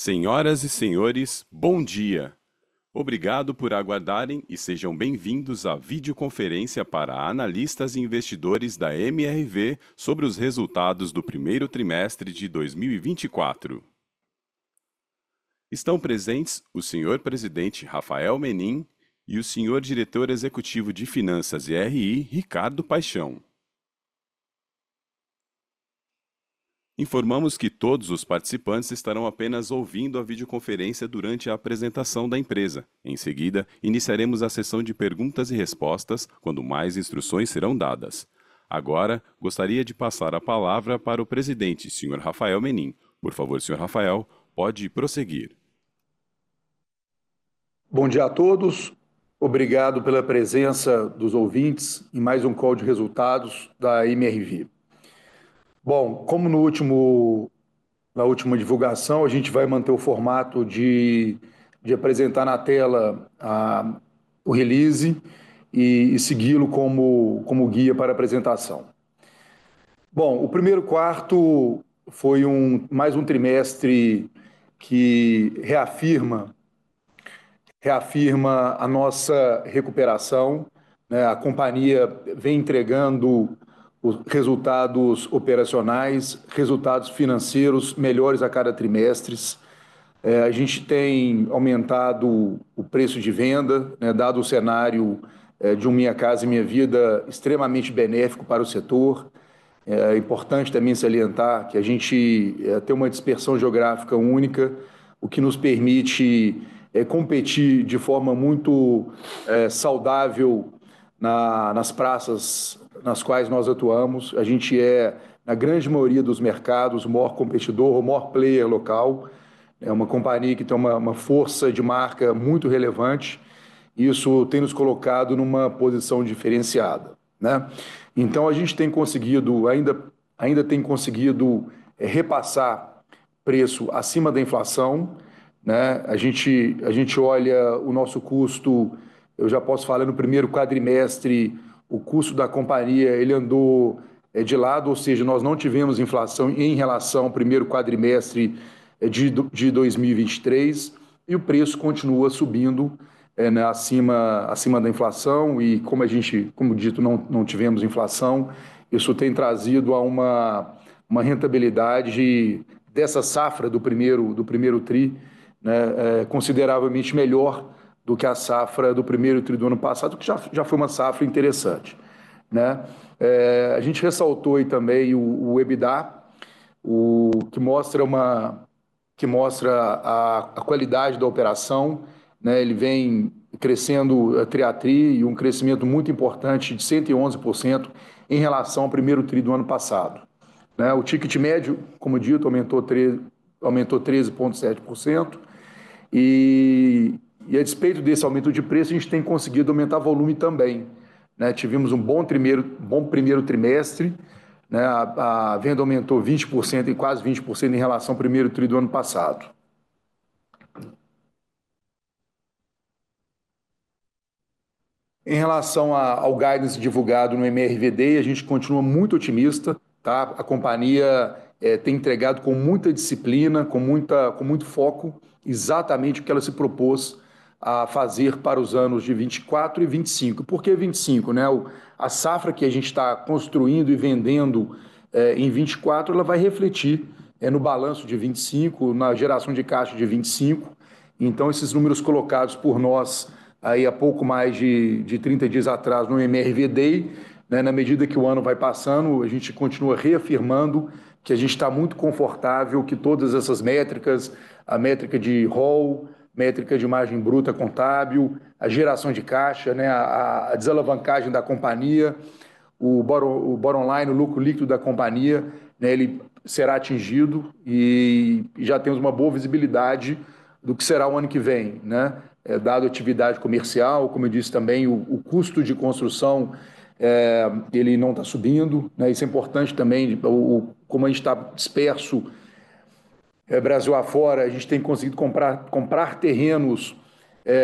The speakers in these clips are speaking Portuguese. Senhoras e senhores, bom dia! Obrigado por aguardarem e sejam bem-vindos à videoconferência para analistas e investidores da MRV, sobre os resultados do primeiro trimestre de 2024. Estão presentes o senhor Presidente, Rafael Menin, e o senhor Diretor Executivo de Finanças e RI, Ricardo Paixão. Informamos que todos os participantes estarão apenas ouvindo a videoconferência durante a apresentação da empresa. Em seguida, iniciaremos a sessão de perguntas e respostas, quando mais instruções serão dadas. Agora, gostaria de passar a palavra para o Presidente, senhor Rafael Menin. Por favor, senhor Rafael, pode prosseguir. Bom dia a todos, obrigado pela presença dos ouvintes, em mais uma call de resultados da MRV. Como na última divulgação, a gente vai manter o formato de apresentar na tela o release e segui-lo como guia para a apresentação. O primeiro quarto foi mais um trimestre que reafirma a nossa recuperação, né? A companhia vem entregando os resultados operacionais, resultados financeiros melhores a cada trimestre. A gente tem aumentado o preço de venda, dado o cenário de um Minha Casa, Minha Vida extremamente benéfico para o setor. É importante também salientar que a gente tem uma dispersão geográfica única, o que nos permite competir de forma muito saudável nas praças nas quais nós atuamos. A gente é, na grande maioria dos mercados, o maior competidor, o maior player local, é uma companhia que tem uma força de marca muito relevante, e isso tem nos colocado numa posição diferenciada, né? Então a gente tem conseguido ainda, ainda tem conseguido repassar preço acima da inflação, né? A gente, a gente olha o nosso custo, eu já posso falar no primeiro quadrimestre, o custo da companhia, ele andou de lado, ou seja, nós não tivemos inflação em relação ao primeiro quadrimestre de 2023, e o preço continua subindo acima da inflação, e como a gente, como dito, não tivemos inflação, isso tem trazido uma rentabilidade dessa safra do primeiro tri consideravelmente melhor do que a safra do primeiro tri do ano passado, que já foi uma safra interessante, né? A gente ressaltou aí também o EBITDA, que mostra uma, que mostra a qualidade da operação, né, ele vem crescendo tri a tri, e um crescimento muito importante de 111% em relação ao primeiro tri do ano passado, né. O ticket médio, como dito, aumentou 13,7%, e a despeito desse aumento de preço, a gente tem conseguido aumentar volume também, né? Tivemos um bom primeiro, bom primeiro trimestre, né, a venda aumentou 20% em relação ao primeiro tri do ano passado. Em relação ao guidance divulgado no MRV Day, a gente continua muito otimista, tá? A companhia tem entregado com muita disciplina, com muito foco, exatamente o que ela se propôs a fazer para os anos de 2024 e 2025. Por que 2025, né? A safra que a gente está construindo e vendendo em 24 ela vai refletir no balanço de 25, na geração de caixa de 25. Então, esses números colocados por nós há pouco mais de 30 dias atrás no MRV Day, na medida que o ano vai passando, a gente continua reafirmando que a gente está muito confortável, que todas essas métricas, a métrica de roll, métrica de margem bruta contábil, a geração de caixa, a desalavancagem da companhia, o bottom, o bottom line, o lucro líquido da companhia, ele será atingido e já temos uma boa visibilidade do que será o ano que vem. Dada a atividade comercial, como eu disse também, o custo de construção ele não está subindo, né? Isso é importante também. Como a gente está disperso Brasil afora, a gente tem conseguido comprar terrenos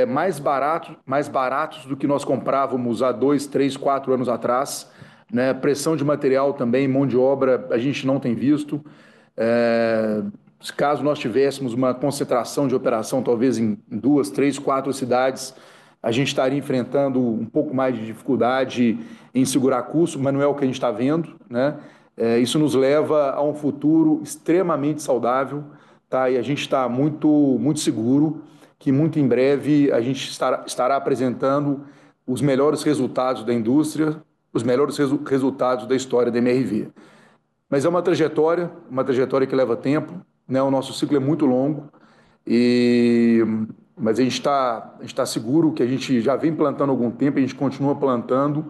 mais baratos, mais baratos do que nós comprávamos há dois, três, quatro anos atrás, né? Pressão de material também, mão de obra, a gente não tem visto. Se caso nós tivéssemos uma concentração de operação, talvez em duas, três, quatro cidades, a gente estaria enfrentando um pouco mais de dificuldade em segurar custo, mas não é o que a gente está vendo, né? Isso nos leva a um futuro extremamente saudável, tá? A gente está muito, muito seguro que muito em breve a gente estará apresentando os melhores resultados da indústria, os melhores resultados da história da MRV. Mas é uma trajetória, uma trajetória que leva tempo, né, o nosso ciclo é muito longo, e mas a gente está, a gente está seguro, que a gente já vem plantando algum tempo, a gente continua plantando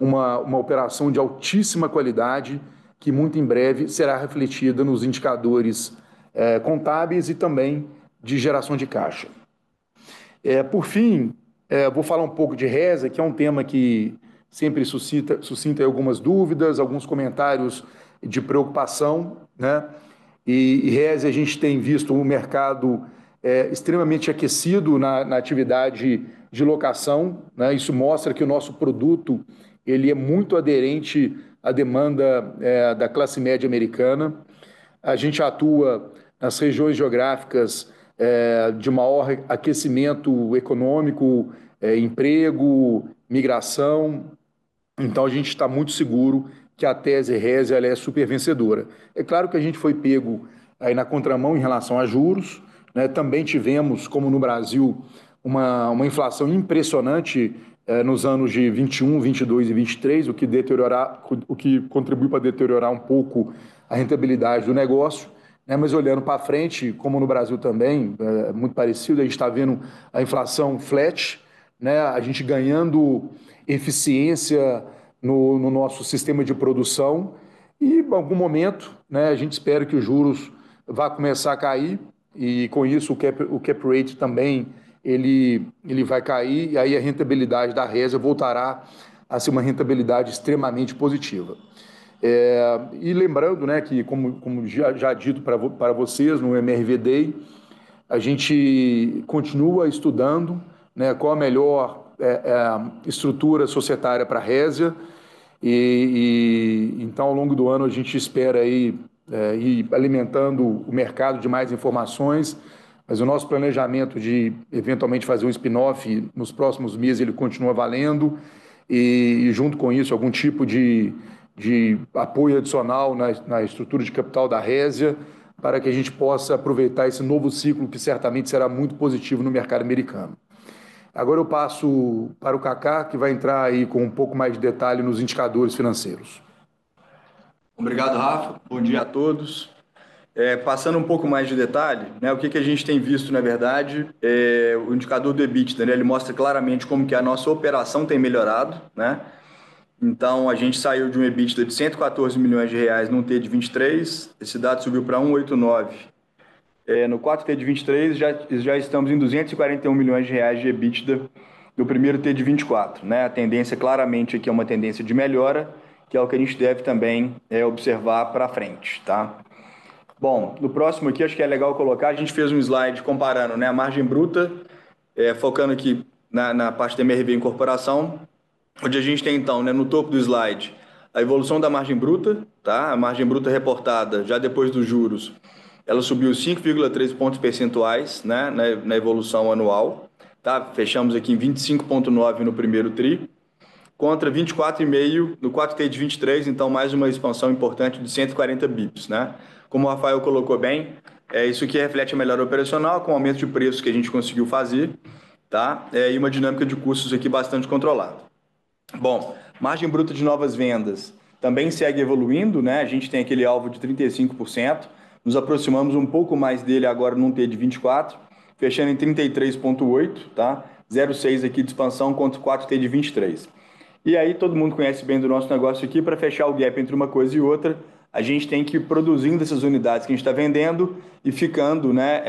uma operação de altíssima qualidade, que muito em breve será refletida nos indicadores contábeis e também de geração de caixa. Por fim, vou falar um pouco de REZA, que é um tema que sempre suscita algumas dúvidas, alguns comentários de preocupação, né? E REZA, a gente tem visto o mercado extremamente aquecido na atividade de locação, né? Isso mostra que o nosso produto, ele é muito aderente à demanda da classe média americana. A gente atua nas regiões geográficas de maior aquecimento econômico, emprego, migração. Então a gente está muito seguro que a tese Resia, ela é super vencedora. É claro que a gente foi pego aí na contramão em relação a juros, né? Também tivemos, como no Brasil, uma inflação impressionante nos anos de 2021, 2022 e 2023, o que contribuiu para deteriorar um pouco a rentabilidade do negócio, né? Mas olhando para frente, como no Brasil também, muito parecido, a gente está vendo a inflação flat, né? A gente ganhando eficiência no nosso sistema de produção e, em algum momento, né, a gente espera que os juros vão começar a cair e, com isso, o cap rate também vai cair, e aí a rentabilidade da Resia voltará a ser uma rentabilidade extremamente positiva. E lembrando, né, que como já dito para vocês no MRV Day, a gente continua estudando, né, qual a melhor estrutura societária para Resia. E, e então, ao longo do ano, a gente espera aí ir alimentando o mercado de mais informações, mas o nosso planejamento de eventualmente fazer um spin-off nos próximos meses, ele continua valendo e, junto com isso, algum tipo de apoio adicional na estrutura de capital da Resia, para que a gente possa aproveitar esse novo ciclo, que certamente será muito positivo no mercado americano. Agora eu passo para o Cacá, que vai entrar aí com um pouco mais de detalhe nos indicadores financeiros. Obrigado, Rafa. Bom dia a todos. Passando um pouco mais de detalhe, o que a gente tem visto, na verdade, é o indicador do EBITDA, ele mostra claramente como a nossa operação tem melhorado. Então, a gente saiu de um EBITDA de R$ 114 milhões no terceiro trimestre de 2023, esse dado subiu para R$ 189 milhões no quarto trimestre de 2023, já estamos em R$ 241 milhões de EBITDA no primeiro trimestre de 2024. A tendência, claramente, aqui é uma tendência de melhora, que é o que a gente deve também observar para frente. Bom, no próximo aqui, acho que é legal colocar, a gente fez um slide comparando a margem bruta, focando aqui na parte da MRV Incorporação, onde a gente tem então no topo do slide, a evolução da margem bruta. A margem bruta reportada, já depois dos juros, ela subiu 5,13 pontos percentuais na evolução anual. Fechamos aqui em 25,9% no primeiro tri, contra 24,5% no quarto trimestre de 2023, então mais uma expansão importante de 140 bips. Como o Rafael colocou bem, isso reflete a melhora operacional, com o aumento de preço que a gente conseguiu fazer. Uma dinâmica de custos aqui bastante controlada. Bom, margem bruta de novas vendas também segue evoluindo. A gente tem aquele alvo de 35%. Nos aproximamos um pouco mais dele agora no T4 de 24, fechando em 33,8%, tá? 0,6% aqui de expansão, contra o 4T de 23. E aí, todo mundo que conhece bem do nosso negócio aqui, para fechar o gap entre uma coisa e outra, a gente tem que ir produzindo essas unidades que a gente está vendendo e ficando, né,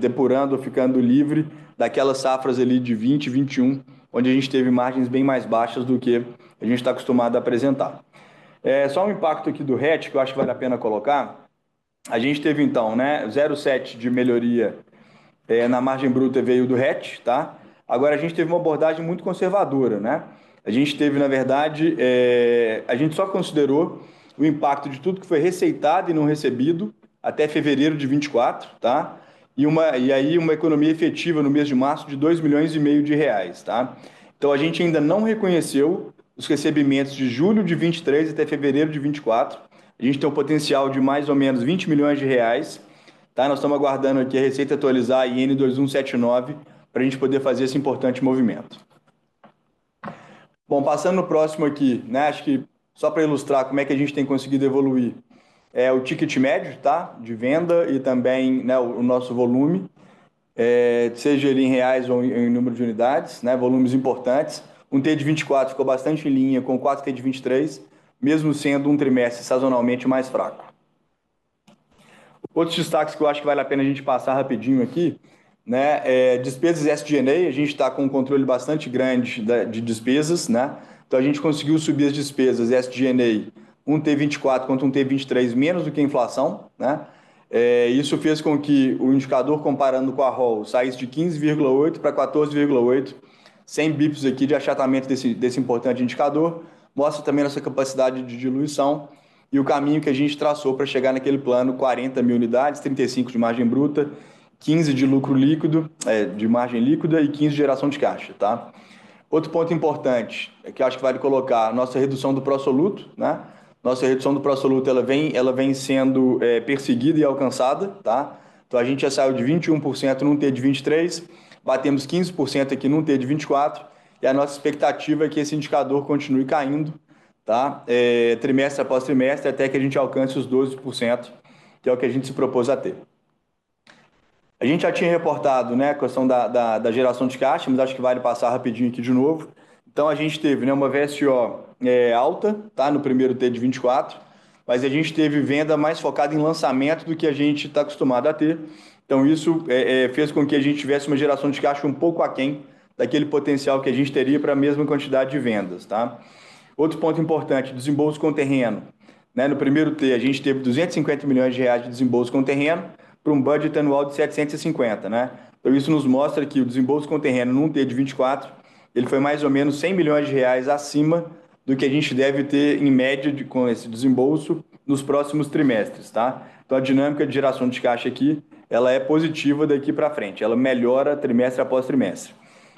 depurando ou ficando livre daquelas safras ali de 20 e 21, onde a gente teve margens bem mais baixas do que a gente está acostumado a apresentar. Só um impacto aqui do RET, que eu acho que vale a pena colocar. A gente teve então, né, 0,7% de melhoria na margem bruta, veio do RET, tá? Agora, a gente teve uma abordagem muito conservadora, né? A gente teve, na verdade, a gente só considerou o impacto de tudo que foi receitado e não recebido até fevereiro de 2024. Uma economia efetiva, no mês de março, de R$ 2,5 milhões. Então, a gente ainda não reconheceu os recebimentos de julho de 2023 até fevereiro de 2024. A gente tem um potencial de mais ou menos R$ 20 milhões. Nós estamos aguardando aqui a receita atualizar a IN 2179, para a gente poder fazer esse importante movimento. Bom, passando no próximo aqui, acho que só para ilustrar como a gente tem conseguido evoluir o ticket médio de venda e também o nosso volume, seja ele em reais ou em número de unidades, volumes importantes. O primeiro trimestre de 2024 ficou bastante em linha com o quarto trimestre de 2023, mesmo sendo um trimestre sazonalmente mais fraco. Outros destaques que eu acho que vale a pena a gente passar rapidinho aqui é despesas SG&A. A gente está com um controle bastante grande de despesas. Então a gente conseguiu subir as despesas SG&A, primeiro trimestre 2024, contra primeiro trimestre 2023, menos do que a inflação. Isso fez com que o indicador, comparando com a ROL, saísse de 15,8% para 14,8%, cem bips aqui de achatamento desse importante indicador. Mostra também a nossa capacidade de diluição e o caminho que a gente traçou para chegar naquele plano: quarenta mil unidades, 35% de margem bruta, 15% de lucro líquido, de margem líquida e 15% de geração de caixa. Outro ponto importante, que acho que vale colocar, a nossa redução do pró-soluto, né? Nossa redução do pró-soluto, ela vem sendo perseguida e alcançada, tá? Então a gente já saiu de 21% no T1 de 2023, batemos 15% aqui no T1 de 2024, e a nossa expectativa é que esse indicador continue caindo, tá? Trimestre após trimestre, até que a gente alcance os 12%, que é o que a gente se propôs a ter. A gente já tinha reportado, né, a questão da geração de caixa, mas acho que vale passar rapidinho aqui de novo. Então a gente teve uma VSO alta, tá? No primeiro T1 de 2024, mas a gente teve venda mais focada em lançamento do que a gente está acostumado a ter. Então isso fez com que a gente tivesse uma geração de caixa um pouco aquém daquele potencial que a gente teria para a mesma quantidade de vendas. Outro ponto importante: desembolso com terreno. No primeiro trimestre, a gente teve R$ 250 milhões de desembolso com terreno, para um budget anual de R$ 750 milhões. Então isso nos mostra que o desembolso com terreno no primeiro trimestre de 2024, ele foi mais ou menos R$ 100 milhões acima do que a gente deve ter, em média, com esse desembolso, nos próximos trimestres. Então a dinâmica de geração de caixa aqui, ela é positiva daqui para frente, ela melhora trimestre após trimestre.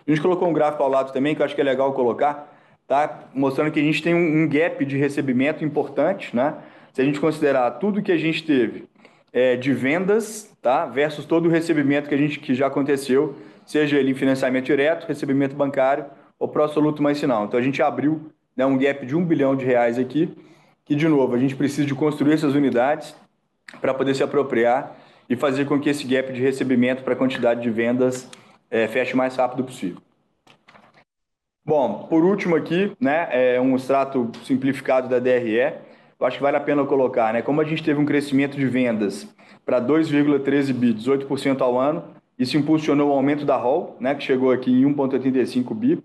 A gente colocou um gráfico ao lado também, que eu acho que é legal colocar. Mostrando que a gente tem um gap de recebimento importante. Se a gente considerar tudo que a gente teve de vendas versus todo o recebimento que a gente que já aconteceu, seja ele em financiamento direto, recebimento bancário ou pró-soluto mais sinal, então a gente abriu um gap de R$ 1 bilhão aqui, que de novo, a gente precisa construir essas unidades para poder se apropriar e fazer com que esse gap de recebimento para quantidade de vendas feche o mais rápido possível. Por último aqui é um extrato simplificado da DRE, eu acho que vale a pena colocar. Como a gente teve um crescimento de vendas para R$ 2,13 bilhões, 18% ao ano, isso impulsionou o aumento da ROL que chegou aqui em R$ 1,85 bilhão,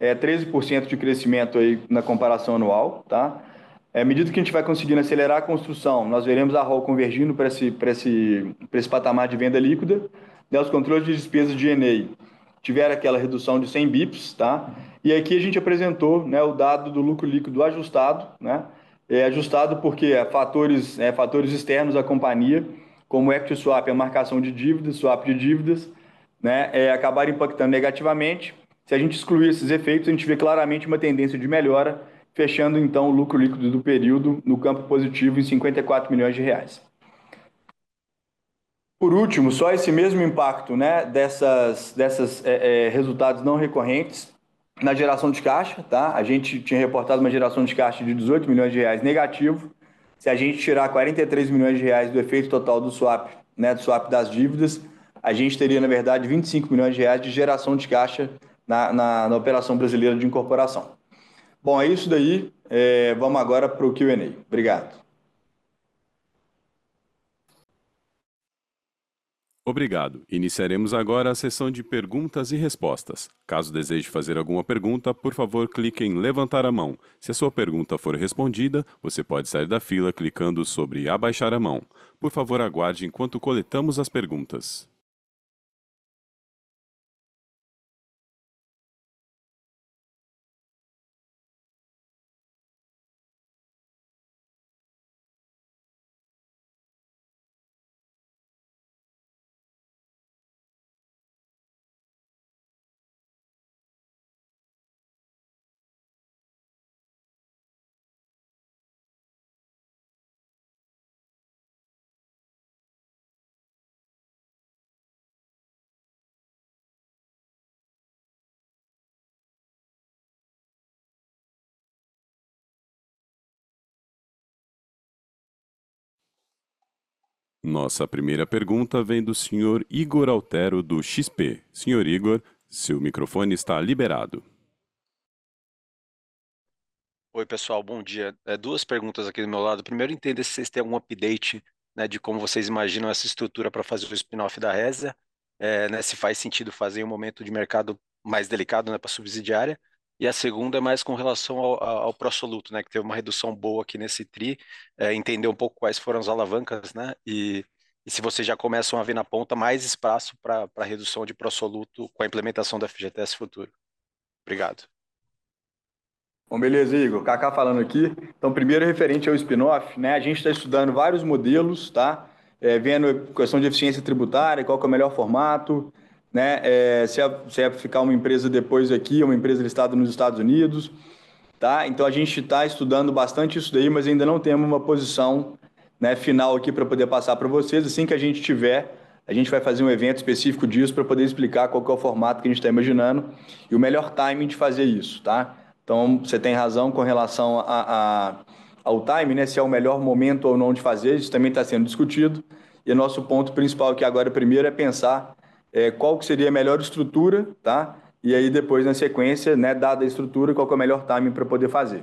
13% de crescimento na comparação anual. À medida que a gente vai conseguindo acelerar a construção, nós veremos a ROL convergindo para esse patamar de venda líquida. Os controles de despesas de NEI tiveram aquela redução de 100 bips. Aqui a gente apresentou o dado do lucro líquido ajustado. É ajustado porque há fatores externos à companhia, como equity swap, a marcação de dívidas, swap de dívidas, que acabaram impactando negativamente. Se a gente excluir esses efeitos, a gente vê claramente uma tendência de melhora, fechando então o lucro líquido do período no campo positivo, em R$ 54 milhões. Por último, esse mesmo impacto desses resultados não recorrentes na geração de caixa. A gente tinha reportado uma geração de caixa de R$ 18 milhões negativo. Se a gente tirar quarenta e três milhões de reais do efeito total do swap, né, do swap das dívidas, a gente teria, na verdade, R$ 25 milhões de geração de caixa na operação brasileira de incorporação. Bom, é isso daí, vamos agora pro Q&A. Obrigado! Obrigado. Iniciaremos agora a sessão de perguntas e respostas. Caso deseje fazer alguma pergunta, por favor, clique em Levantar a Mão. Se a sua pergunta for respondida, você pode sair da fila clicando sobre Abaixar a Mão. Por favor, aguarde enquanto coletamos as perguntas. Nossa primeira pergunta vem do Senhor Igor Altero, do XP. Senhor Igor, seu microfone está liberado. Oi, pessoal, bom dia! Duas perguntas aqui do meu lado. Primeiro, entender se vocês têm algum update de como vocês imaginam essa estrutura para fazer o spin-off da Resa, se faz sentido fazer em um momento de mercado mais delicado para subsidiária. E a segunda é mais com relação ao pró-soluto, que teve uma redução boa aqui nesse trimestre, entender um pouco quais foram as alavancas, e se vocês já começam a ver na ponta mais espaço para redução de pró-soluto, com a implementação do FGTS Futuro. Obrigado. Bom, beleza, Igor, Cacá falando aqui. Então, primeiro, referente ao spin-off, né, a gente está estudando vários modelos, tá? Vendo questão de eficiência tributária, qual que é o melhor formato, né, se é ficar uma empresa depois aqui, ou uma empresa listada nos Estados Unidos, tá? Então a gente está estudando bastante isso daí, mas ainda não temos uma posição final aqui, para eu poder passar para vocês. Assim que a gente tiver, a gente vai fazer um evento específico disso, para poder explicar qual que é o formato que a gente está imaginando, e o melhor timing de fazer isso, tá? Então, você tem razão com relação ao timing, né, se é o melhor momento ou não de fazer, isso também está sendo discutido. E o nosso ponto principal, que agora é o primeiro, é pensar qual que seria a melhor estrutura, tá? E aí, depois, na sequência, né, dada a estrutura, qual que é o melhor timing para poder fazer.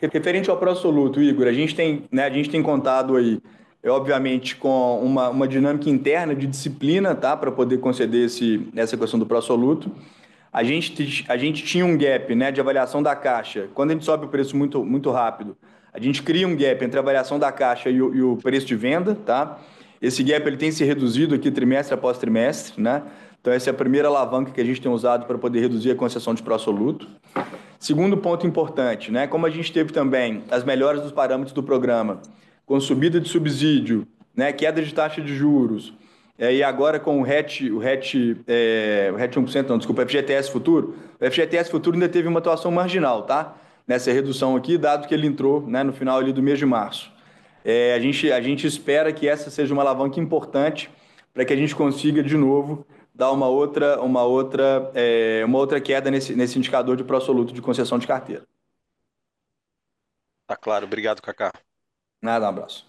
Referente ao pró-soluto, Igor, a gente tem, né, a gente tem contado aí, obviamente, com uma dinâmica interna de disciplina, tá? Para poder conceder essa questão do pró-soluto. A gente tinha um gap, né, de avaliação da caixa. Quando a gente sobe o preço muito, muito rápido, a gente cria um gap entre a avaliação da caixa e o preço de venda, tá? Esse gap, ele tem se reduzido aqui trimestre após trimestre, né. Então essa é a primeira alavanca que a gente tem usado para poder reduzir a concessão de pró-soluto. Segundo ponto importante, né, como a gente teve também as melhoras dos parâmetros do programa, com subida de subsídio, né, queda de taxa de juros, e agora com o RET, o RET, o RET 1%, não, desculpa, o FGTS Futuro. O FGTS Futuro ainda teve uma atuação marginal, tá? Nessa redução aqui, dado que ele entrou, né, no final ali do mês de março. A gente espera que essa seja uma alavanca importante, para que a gente consiga, de novo, dar uma outra queda nesse indicador de pró-soluto, de concessão de carteira. Está claro. Obrigado, Cacá. De nada, abrazo.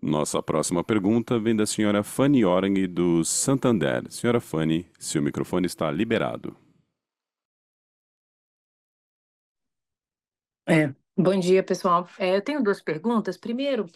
Nossa próxima pergunta vem da Senhora Fani Orang, do Santander. Senhora Fani, seu microfone está liberado. Bom dia, pessoal! Eu tenho duas perguntas. Primeiro,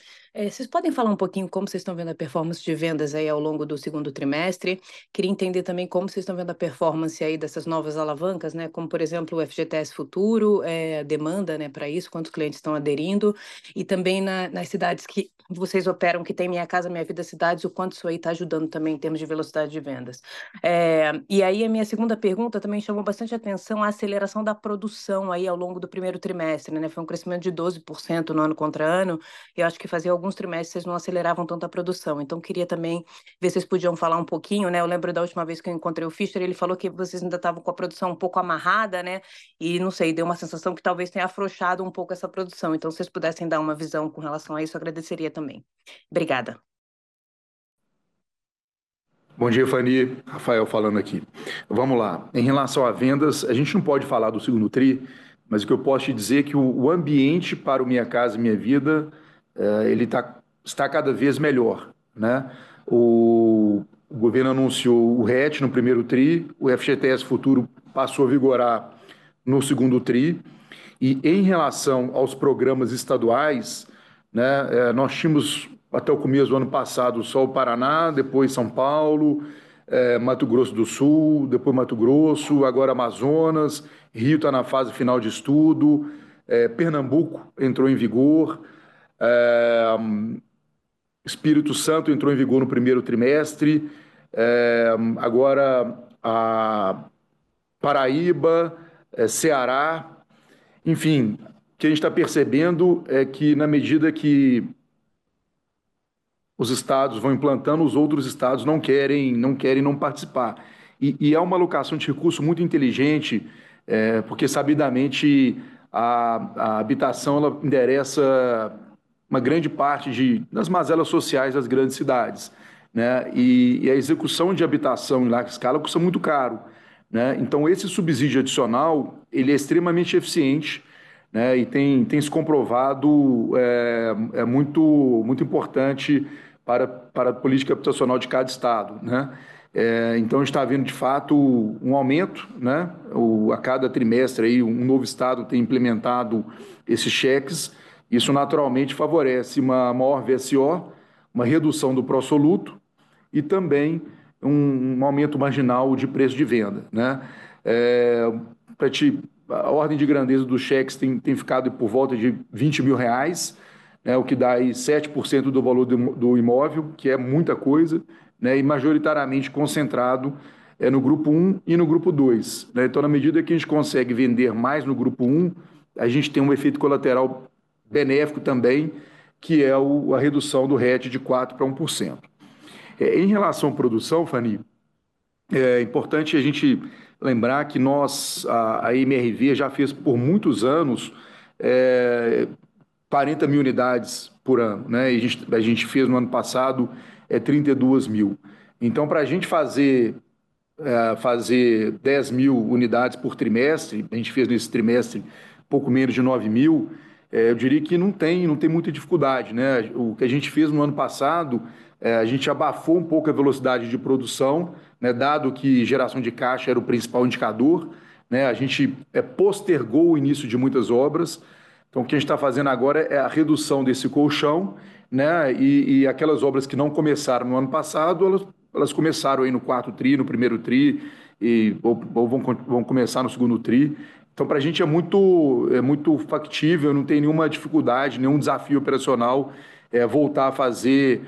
vocês podem falar um pouquinho como vocês estão vendo a performance de vendas aí, ao longo do segundo trimestre? Queria entender também como vocês estão vendo a performance aí dessas novas alavancas, né? Como, por exemplo, o FGTS Futuro, a demanda, né, pra isso, quantos clientes estão aderindo, e também nas cidades que vocês operam, que têm Minha Casa, Minha Vida Cidades, o quanto isso aí está ajudando também em termos de velocidade de vendas. A minha segunda pergunta, também chamou bastante a atenção a aceleração da produção aí, ao longo do primeiro trimestre, né? Foi um crescimento de 12% no ano contra ano, e eu acho que fazia alguns trimestres que vocês não aceleravam tanto a produção. Então queria também ver se vocês podiam falar um pouquinho, né? Eu lembro da última vez que eu encontrei o Fischer, ele falou que vocês ainda estavam com a produção um pouco amarrada, né? E não sei, deu uma sensação que talvez tenha afrouxado um pouco essa produção. Então, se vocês pudessem dar uma visão com relação a isso, agradeceria também. Obrigada. Bom dia, Fani. Rafael falando aqui. Vamos lá, em relação a vendas, a gente não pode falar do segundo trimestre, mas o que eu posso te dizer é que o ambiente para o Minha Casa, Minha Vida está cada vez melhor, né? O governo anunciou o RET no primeiro trimestre, o FGTS Futuro passou a vigorar no segundo trimestre, e em relação aos programas estaduais, nós tínhamos, até o começo do ano passado, só o Paraná, depois São Paulo, Mato Grosso do Sul, depois Mato Grosso, agora Amazonas, Rio está na fase final de estudo, Pernambuco entrou em vigor, Espírito Santo entrou em vigor no primeiro trimestre, agora a Paraíba, Ceará, enfim, o que a gente está percebendo é que na medida que os estados vão implantando, os outros estados não querem não participar. É uma alocação de recurso muito inteligente, porque sabidamente a habitação ela interessa uma grande parte das mazelas sociais das grandes cidades, né? A execução de habitação em larga escala custa muito caro, né? Então esse subsídio adicional, ele é extremamente eficiente, né, e tem se comprovado muito importante para a política habitacional de cada estado, né? Então está havendo, de fato, um aumento, né? A cada trimestre aí, um novo estado tem implementado esses cheques. Isso, naturalmente, favorece uma maior VSO, uma redução do pró soluto e também um aumento marginal de preço de venda, né? Para te... a ordem de grandeza dos cheques tem ficado por volta de R$ 20.000, né, o que dá aí 7% do valor do imóvel, que é muita coisa, né, e majoritariamente concentrado no grupo um e no grupo dois, né. Então, na medida que a gente consegue vender mais no grupo um, a gente tem um efeito colateral benéfico também, que é a redução do RET de 4% para 1%. Em relação à produção, Fani, é importante a gente lembrar que nós, a MRV já fez por muitos anos quarenta mil unidades por ano, né? E a gente fez no ano passado trinta e duas mil. Então, para a gente fazer dez mil unidades por trimestre, a gente fez nesse trimestre pouco menos de nove mil. Eu diria que não tem muita dificuldade, né? O que a gente fez no ano passado é que a gente abafou um pouco a velocidade de produção, dado que geração de caixa era o principal indicador, né? A gente postergou o início de muitas obras. Então, o que a gente está fazendo agora é a redução desse colchão, né, e aquelas obras que não começaram no ano passado, elas começaram aí no quarto trimestre, no primeiro trimestre, e ou vão começar no segundo trimestre. Então, para a gente é muito factível, não tem nenhuma dificuldade, nenhum desafio operacional voltar a fazer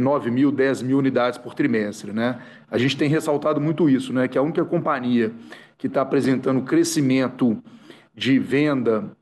nove mil, dez mil unidades por trimestre, né? A gente tem ressaltado muito isso, né, que a única companhia que está apresentando crescimento de venda,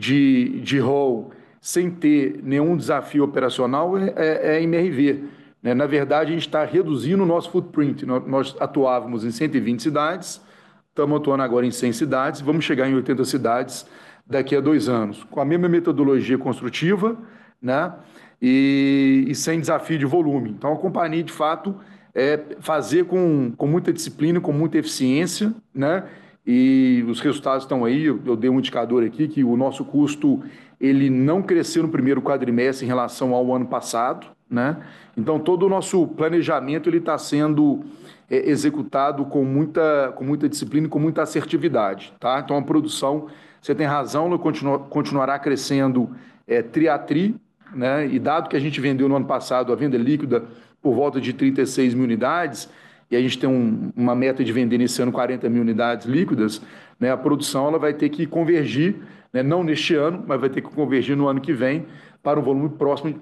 de roll, sem ter nenhum desafio operacional, é a MRV, né? Na verdade, a gente está reduzindo o nosso footprint. Nós atuávamos em cento e vinte cidades, estamos atuando agora em cem cidades, vamos chegar em oitenta cidades daqui a dois anos, com a mesma metodologia construtiva, né, e sem desafio de volume. Então, a companhia, de fato, é fazer com muita disciplina e com muita eficiência, né? E os resultados estão aí. Eu dei um indicador aqui, que o nosso custo, ele não cresceu no primeiro quadrimestre em relação ao ano passado, né? Então, todo o nosso planejamento, ele está sendo executado com muita disciplina e com muita assertividade, está? Então, a produção, você tem razão, ela continua, continuará crescendo, trimestre a trimestre, né? E dado que a gente vendeu no ano passado, a venda líquida, por volta de trinta e seis mil unidades, e a gente tem uma meta de vender nesse ano quarenta mil unidades líquidas, né, a produção ela vai ter que convergir, né, não neste ano, mas vai ter que convergir no ano que vem, para o volume próximo.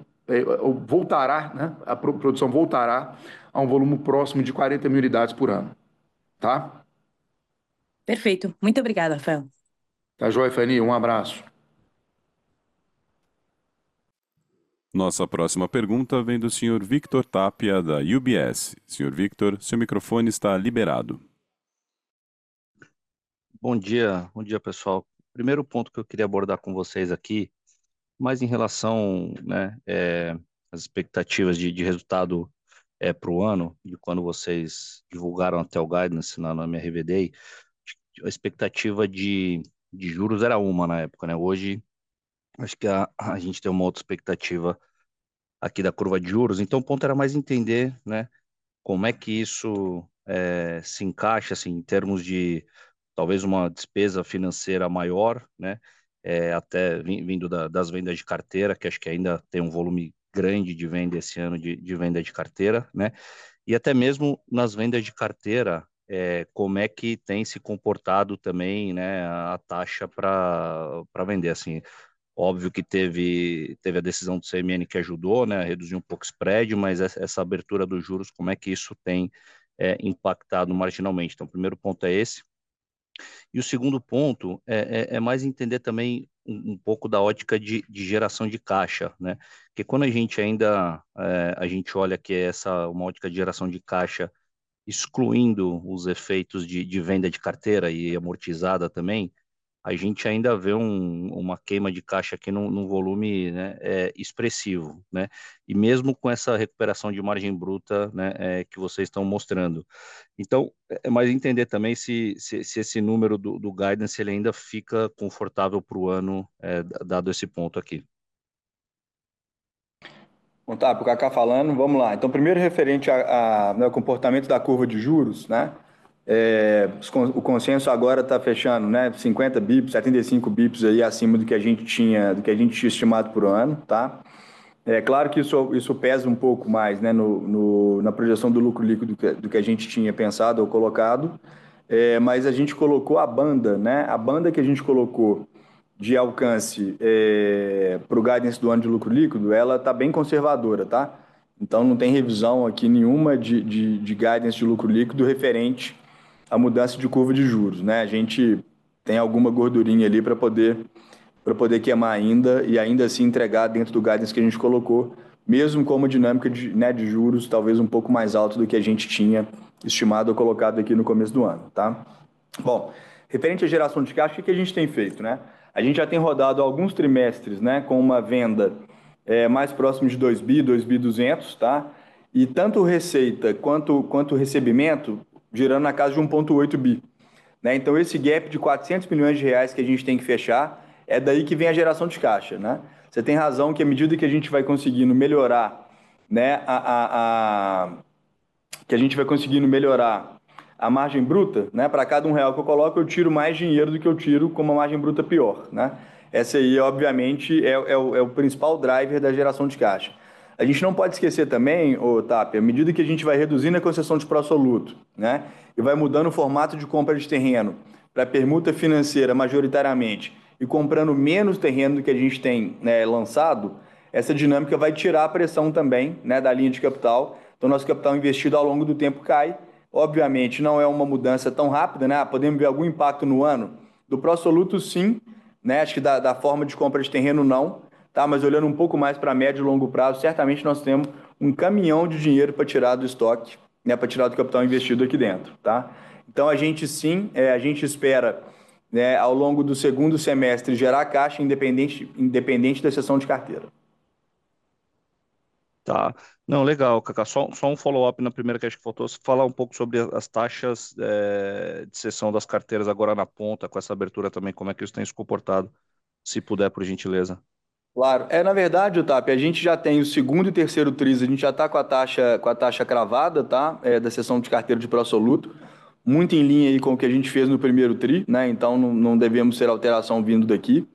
Voltará, né, a produção voltará a um volume próximo de quarenta mil unidades por ano, tá? Perfeito. Muito obrigada, Rafael. Tá joia, Fani. Um abraço. Nossa próxima pergunta vem do senhor Victor Tapia, da UBS. Senhor Victor, seu microfone está liberado. Bom dia, bom dia, pessoal. Primeiro ponto que eu queria abordar com vocês aqui, mais em relação às expectativas de resultado pro ano, e quando vocês divulgaram até o Guidance na MRV Day, a expectativa de juros era uma na época. Hoje, acho que a gente tem uma outra expectativa aqui da curva de juros. Então, o ponto era mais entender como é que isso se encaixa em termos de talvez uma despesa financeira maior, vindo das vendas de carteira, que acho que ainda tem um volume grande de venda esse ano, de venda de carteira. E até mesmo nas vendas de carteira, como é que tem se comportado também a taxa pra vender? Óbvio que teve a decisão do CMN, que ajudou a reduzir um pouco o spread, mas essa abertura dos juros, como é que isso tem impactado marginalmente? Então, o primeiro ponto é esse. O segundo ponto é mais entender também um pouco da ótica de geração de caixa. Quando a gente olha essa ótica de geração de caixa, excluindo os efeitos de venda de carteira e amortizada também, a gente ainda vê uma queima de caixa aqui num volume expressivo, mesmo com essa recuperação de margem bruta que vocês estão mostrando. Então, é mais entender também se esse número do guidance ele ainda fica confortável pro ano, dado esse ponto aqui. Bom, Tap, o Cacá falando, vamos lá! Então, primeiro, referente ao comportamento da curva de juros, o consenso agora está fechando cinquenta bips, setenta e cinco bips, acima do que a gente tinha estimado pro ano, tá? É claro que isso pesa um pouco mais na projeção do lucro líquido do que a gente tinha pensado ou colocado, mas a gente colocou a banda. A banda que a gente colocou de alcance pro guidance do ano de lucro líquido, ela está bem conservadora, tá? Então não tem revisão aqui nenhuma de guidance de lucro líquido, referente à mudança de curva de juros. A gente tem alguma gordurinha ali para poder, para poder queimar ainda, e ainda assim entregar dentro do guidance que a gente colocou, mesmo com uma dinâmica de juros, talvez um pouco mais alto do que a gente tinha estimado ou colocado aqui no começo do ano. Bom, referente à geração de caixa, o que que a gente tem feito? A gente já tem rodado alguns trimestres com uma venda mais próximo de R$ 2 bilhões, R$ 2,2 bilhões. E tanto receita quanto recebimento, girando na casa de R$ 1,8 bilhão. Então esse gap de R$ 400 milhões que a gente tem que fechar, é daí que vem a geração de caixa. Você tem razão, que à medida que a gente vai conseguindo melhorar a margem bruta, para cada um real que eu coloco, eu tiro mais dinheiro do que eu tiro com uma margem bruta pior. Essa aí, obviamente, é o principal driver da geração de caixa. A gente não pode esquecer também que, à medida que a gente vai reduzindo a concessão de Pro Soluto e vai mudando o formato de compra de terreno para permuta financeira, majoritariamente, e comprando menos terreno do que a gente tem lançado, essa dinâmica vai tirar a pressão também da linha de capital. Então nosso capital investido ao longo do tempo cai. Obviamente, não é uma mudança tão rápida. Podemos ver algum impacto no ano? Do Pro Soluto, sim, né, acho que da forma de compra de terreno, não, tá? Mas olhando um pouco mais para médio e longo prazo, certamente nós temos um caminhão de dinheiro para tirar do estoque, né, para tirar do capital investido aqui dentro, tá? Então a gente, sim, a gente espera, né, ao longo do segundo semestre, gerar caixa, independente da cessão de carteira. Tá! Não, legal, Cacá. Só um follow-up na primeira que a gente faltou. Falar um pouco sobre as taxas de cessão das carteiras agora na ponta, com essa abertura também, como é que eles têm se comportado, se puder, por gentileza. Claro. É, na verdade, Tap, a gente já tem o segundo e terceiro trimestre, a gente já está com a taxa, com a taxa cravada, tá? É, da cessão de carteira de Pro Soluto, muito em linha aí com o que a gente fez no primeiro trimestre, né, então não, não devemos ter alteração vindo daqui.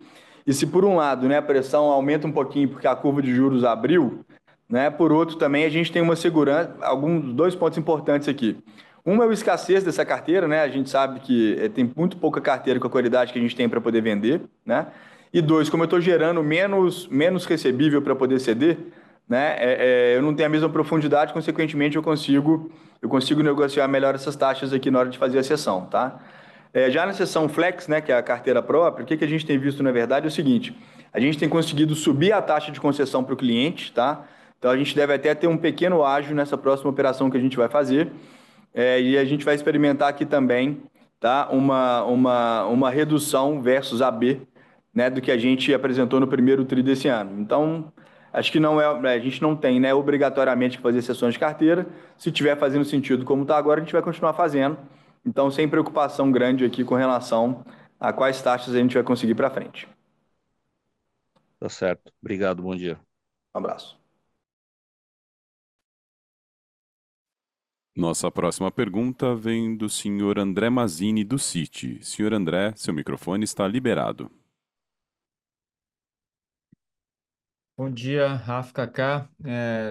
E se por um lado, né, a pressão aumenta um pouquinho, porque a curva de juros abriu, né, por outro, também, a gente tem uma segurança, alguns dois pontos importantes aqui: um, é a escassez dessa carteira, né? A gente sabe que tem muito pouca carteira com a qualidade que a gente tem para poder vender, né? E dois, como eu estou gerando menos, menos recebível para poder ceder, né, eu não tenho a mesma profundidade, consequentemente, eu consigo negociar melhor essas taxas aqui, na hora de fazer a cessão, tá? Já na cessão Flex, né, que é a carteira própria, o que a gente tem visto, na verdade, é o seguinte: a gente tem conseguido subir a taxa de concessão pro cliente, tá? Então a gente deve até ter um pequeno ágio nessa próxima operação que a gente vai fazer. E a gente vai experimentar aqui também, tá? Uma redução versus AB, né, do que a gente apresentou no primeiro trimestre desse ano. Então, acho que a gente não tem, né, obrigatoriamente que fazer cessão de carteira. Se tiver fazendo sentido, como está agora, a gente vai continuar fazendo. Então, sem preocupação grande aqui, com relação a quais taxas a gente vai conseguir para frente. Tá certo. Obrigado, bom dia. Um abraço. Nossa próxima pergunta vem do senhor André Mazzini, do Citi. Senhor André, seu microfone está liberado. Bom dia, Rafa, Cacá.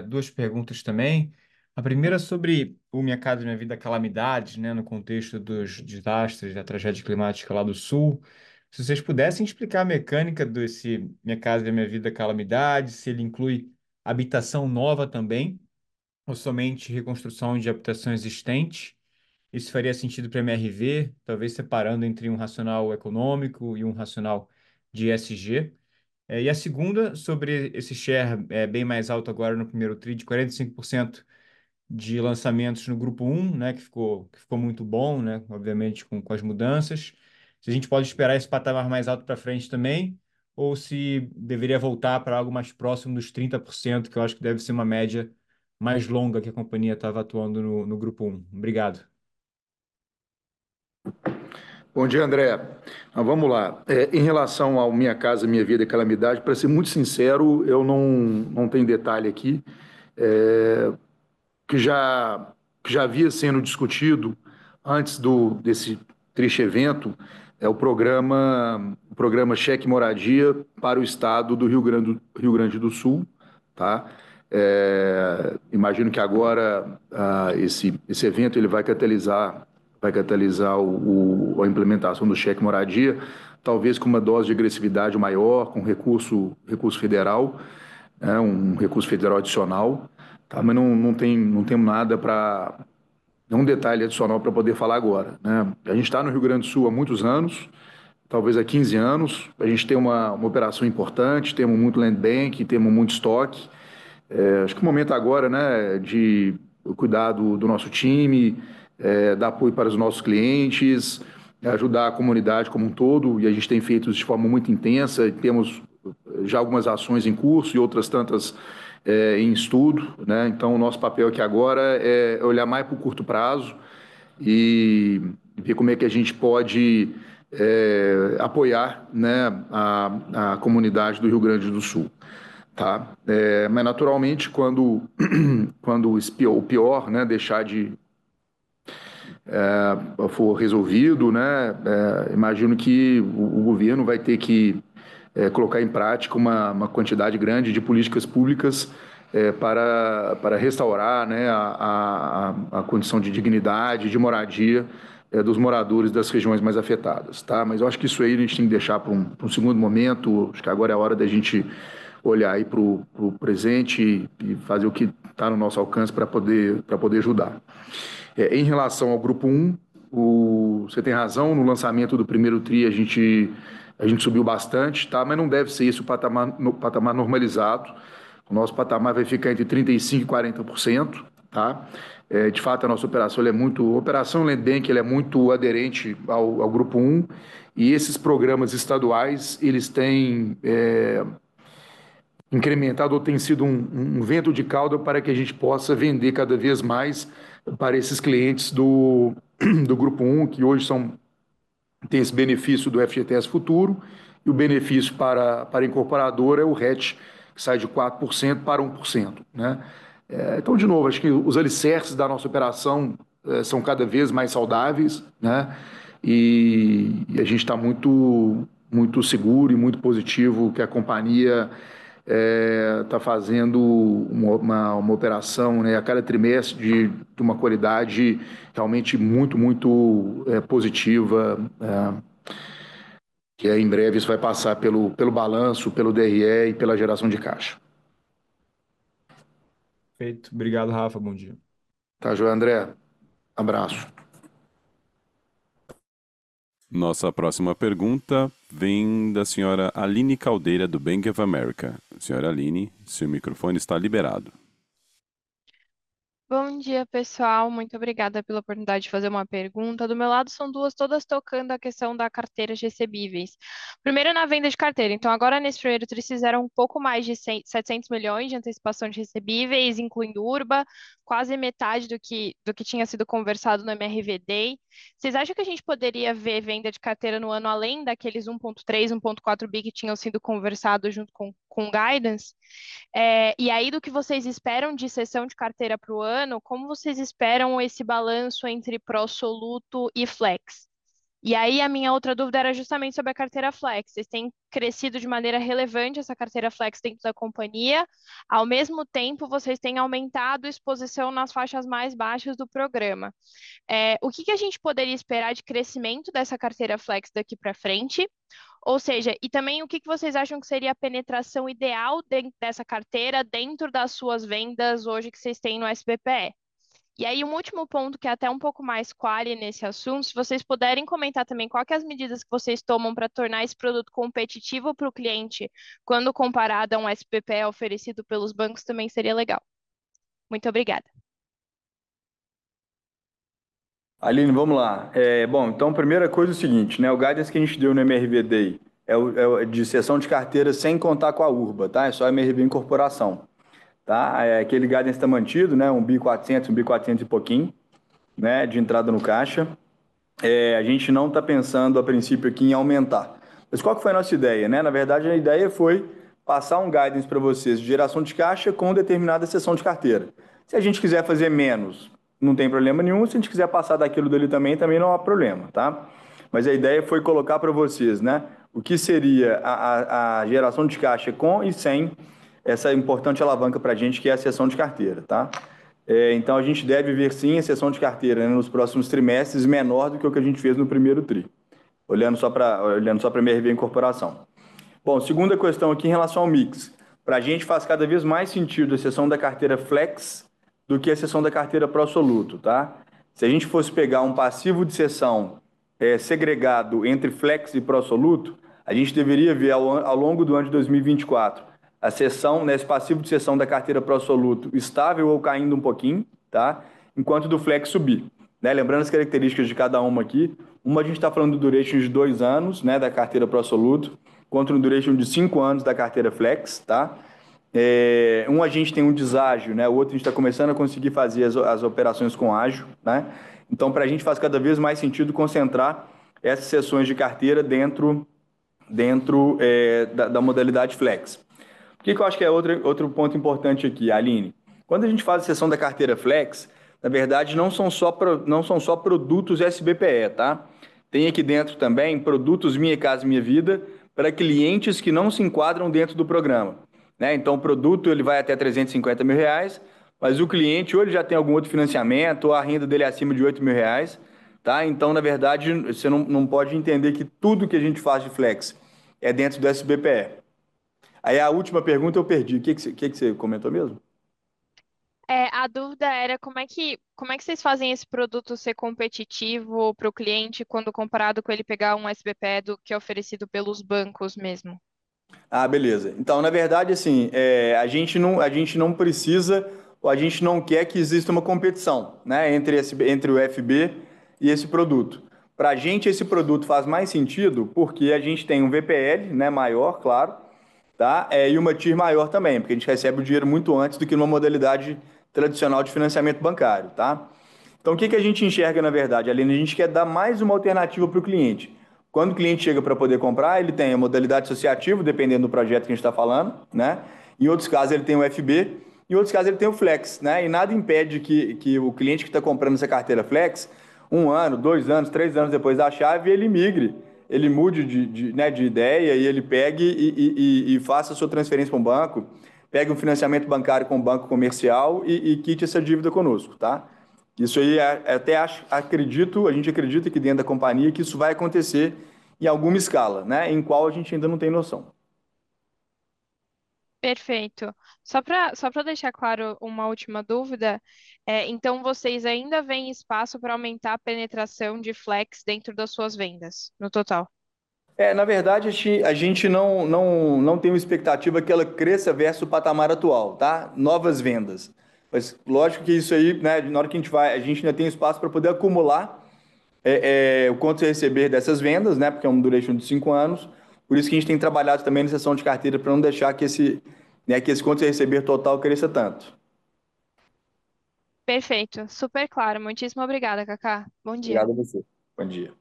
Duas perguntas também. A primeira é sobre o Minha Casa, Minha Vida Calamidade, no contexto dos desastres, da tragédia climática lá do Sul. Se vocês pudessem explicar a mecânica desse Minha Casa, Minha Vida Calamidade, se ele inclui habitação nova também, ou somente reconstrução de habitação existente, isso faria sentido para MRV, talvez separando entre um racional econômico e um racional de ESG. A segunda, sobre esse share bem mais alto agora no primeiro trimestre, de 45% de lançamentos no grupo um, que ficou muito bom, obviamente, com as mudanças. Se a gente pode esperar esse patamar mais alto para frente também, ou se deveria voltar para algo mais próximo dos 30%, que eu acho que deve ser uma média mais longa, que a companhia estava atuando no grupo um. Obrigado! Bom dia, André! Vamos lá. Em relação ao Minha Casa, Minha Vida e calamidade, para ser muito sincero, eu não tenho detalhe aqui. Que já havia sendo discutido antes desse triste evento, é o programa, o programa Cheque Moradia para o estado do Rio Grande do Sul, tá? Imagino que agora esse evento, ele vai catalisar, vai catalisar a implementação do Cheque Moradia, talvez com uma dose de agressividade maior, com recurso federal, um recurso federal adicional, tá? Mas não temos nada para, não detalhe adicional para poder falar agora, né? A gente está no Rio Grande do Sul há muitos anos, talvez há quinze anos. A gente tem uma operação importante, temos muito land bank, temos muito estoque. Acho que o momento agora é de cuidar do nosso time, dar apoio para os nossos clientes, ajudar a comunidade como um todo, e a gente tem feito isso de forma muito intensa, e temos já algumas ações em curso e outras tantas em estudo. Então, o nosso papel aqui agora é olhar mais pro curto prazo e ver como é que a gente pode apoiar a comunidade do Rio Grande do Sul. Mas, naturalmente, quando o pior for resolvido, imagino que o governo vai ter que colocar em prática uma quantidade grande de políticas públicas para restaurar a condição de dignidade, de moradia dos moradores das regiões mais afetadas. Mas eu acho que isso aí, a gente tem que deixar prum segundo momento. Acho que agora é a hora da gente olhar aí pro presente e fazer o que tá no nosso alcance pra poder ajudar. Em relação ao grupo um, você tem razão, no lançamento do primeiro tri, a gente subiu bastante, tá? Mas não deve ser esse o patamar, o patamar normalizado. O nosso patamar vai ficar entre 35% e 40%, tá? É, de fato, a nossa operação ela é muito operação land bank, ela é muito aderente ao grupo um, e esses programas estaduais, eles têm incrementado ou tem sido um vento de cauda para que a gente possa vender cada vez mais para esses clientes do grupo um, que hoje são, têm esse benefício do FGTS Futuro, e o benefício para a incorporadora é o RET, que sai de 4% para 1%. Então, de novo, acho que os alicerces da nossa operação são cada vez mais saudáveis. A gente está muito seguro e muito positivo que a companhia está fazendo uma operação a cada trimestre, de uma qualidade realmente muito positiva, que aí em breve, isso vai passar pelo balanço, pelo DRE e pela geração de caixa. Perfeito. Obrigado, Rafa. Bom dia. Tá joia, André. Abraço. Nossa próxima pergunta vem da senhora Aline Caldeira, do Bank of America. Senhora Aline, seu microfone está liberado. Bom dia, pessoal. Muito obrigada pela oportunidade de fazer uma pergunta. Do meu lado, são duas, todas tocando a questão da carteira de recebíveis. Primeiro, na venda de carteira. Então, agora, nesse primeiro trimestre, vocês fizeram um pouco mais de R$ 700 milhões de antecipação de recebíveis, incluindo Urba, quase metade do que tinha sido conversado no MRV Day. Vocês acham que a gente poderia ver venda de carteira no ano, além daqueles R$ 1,3, R$ 1,4 bilhões, que tinham sido conversado junto com o Guidance? E aí, do que vocês esperam de cessão de carteira pro ano, como vocês esperam esse balanço entre Pro Soluto e Flex? E aí, a minha outra dúvida era justamente sobre a carteira Flex. Vocês têm crescido de maneira relevante essa carteira Flex dentro da companhia. Ao mesmo tempo, vocês têm aumentado a exposição nas faixas mais baixas do programa. O que que a gente poderia esperar de crescimento dessa carteira Flex daqui pra frente? Ou seja, e também o que vocês acham que seria a penetração ideal dessa carteira dentro das suas vendas, hoje, que vocês têm no SBPE? E aí, um último ponto, que é até um pouco mais quali nesse assunto, se vocês puderem comentar também qual que é as medidas que vocês tomam pra tornar esse produto competitivo pro cliente, quando comparado a um SBPE oferecido pelos bancos, também seria legal. Muito obrigada! Aline, vamos lá. Bom, então primeira coisa é o seguinte, né, o Guidance que a gente deu no MRV Day é de cessão de carteira sem contar com a Urba, tá? É só MRV Incorporação, tá? Aquele Guidance tá mantido, né? R$ 1,4 bilhão, R$ 1,4 bilhão e pouquinho, né, de entrada no caixa. A gente não tá pensando, a princípio, aqui, em aumentar. Mas qual que foi a nossa ideia, né? Na verdade, a ideia foi passar um Guidance para vocês de geração de caixa com determinada cessão de carteira. Se a gente quiser fazer menos, não tem problema nenhum, se a gente quiser passar daquilo dali também, também não há problema, tá? Mas a ideia foi colocar para vocês, né, o que seria a geração de caixa com e sem essa importante alavanca para a gente, que é a cessão de carteira, tá? É, então a gente deve ver, sim, a cessão de carteira nos próximos trimestres, menor do que o que a gente fez no primeiro tri, olhando só para, olhando só para MRV Incorporação. Bom, segunda questão aqui em relação ao mix. Para a gente, faz cada vez mais sentido a cessão da carteira Flex do que a cessão da carteira Pró-Soluto, tá? Se a gente fosse pegar um passivo de cessão segregado entre Flex e Pró-Soluto, a gente deveria ver ao longo do ano de 2024, a cessão, esse passivo de cessão da carteira Pró-Soluto, estável ou caindo um pouquinho, tá? Enquanto do Flex, subir. Lembrando as características de cada uma aqui. Uma, a gente está falando do duration de dois anos da carteira Pró-Soluto, enquanto no duration de cinco anos da carteira Flex, tá? A gente tem um deságio, né? O outro, a gente tá começando a conseguir fazer as operações com ágio, né? Então, pra gente faz cada vez mais sentido concentrar essas seções de carteira dentro da modalidade Flex. O que que eu acho que é outro ponto importante aqui, Aline? Quando a gente faz a sessão da carteira Flex, na verdade, não são só produtos SBPE, tá? Tem aqui dentro também produtos Minha Casa, Minha Vida, pra clientes que não se enquadram dentro do programa, né? Então, o produto ele vai até R$ 350.000, mas o cliente ou ele já tem algum outro financiamento, ou a renda dele é acima de R$ 8.000, tá? Então, na verdade, você não pode entender que tudo que a gente faz de Flex é dentro do SBPE. Aí a última pergunta eu perdi, o que que você, o que que você comentou mesmo? É, a dúvida era: como é que vocês fazem esse produto ser competitivo para o cliente, quando comparado com ele pegar um SBPE do que é oferecido pelos bancos mesmo? Ah, beleza! Então, na verdade, a gente não precisa, ou a gente não quer que exista uma competição, né? Entre o FB e esse produto. Para a gente, esse produto faz mais sentido, porque a gente tem um VPL maior, claro, tá? E uma TIR maior também, porque a gente recebe o dinheiro muito antes do que numa modalidade tradicional de financiamento bancário, tá? Então, o que que a gente enxerga, na verdade, Aline? A gente quer dar mais uma alternativa pro cliente. Quando o cliente chega para poder comprar, ele tem a modalidade associativo, dependendo do projeto que a gente tá falando, né? Em outros casos, ele tem o FB, e em outros casos, ele tem o Flex, né? E nada impede que o cliente que está comprando essa carteira Flex, um ano, dois anos, três anos depois da chave, ele migre, ele mude de ideia e ele pegue e faça sua transferência para um banco, pegue um financiamento bancário com banco comercial e quite essa dívida conosco, está? Isso aí, até acho, acredito, a gente acredita que dentro da companhia, que isso vai acontecer em alguma escala, né? Em qual, a gente ainda não tem noção. Perfeito! Só para deixar claro uma última dúvida: então vocês ainda veem espaço para aumentar a penetração de Flex dentro das suas vendas, no total? É, na verdade, a gente não tem uma expectativa que ela cresça verso o patamar atual, tá? Novas vendas. Mas, lógico que isso aí, né, na hora que a gente vai, a gente ainda tem espaço pra poder acumular o quanto a receber dessas vendas, né? Porque é um duration de cinco anos. Por isso que a gente tem trabalhado também na sessão de carteira, pra não deixar que esse quanto a receber total cresça tanto. Perfeito, super claro. Muitíssimo obrigada, Cacá. Bom dia! Obrigado. Bom dia.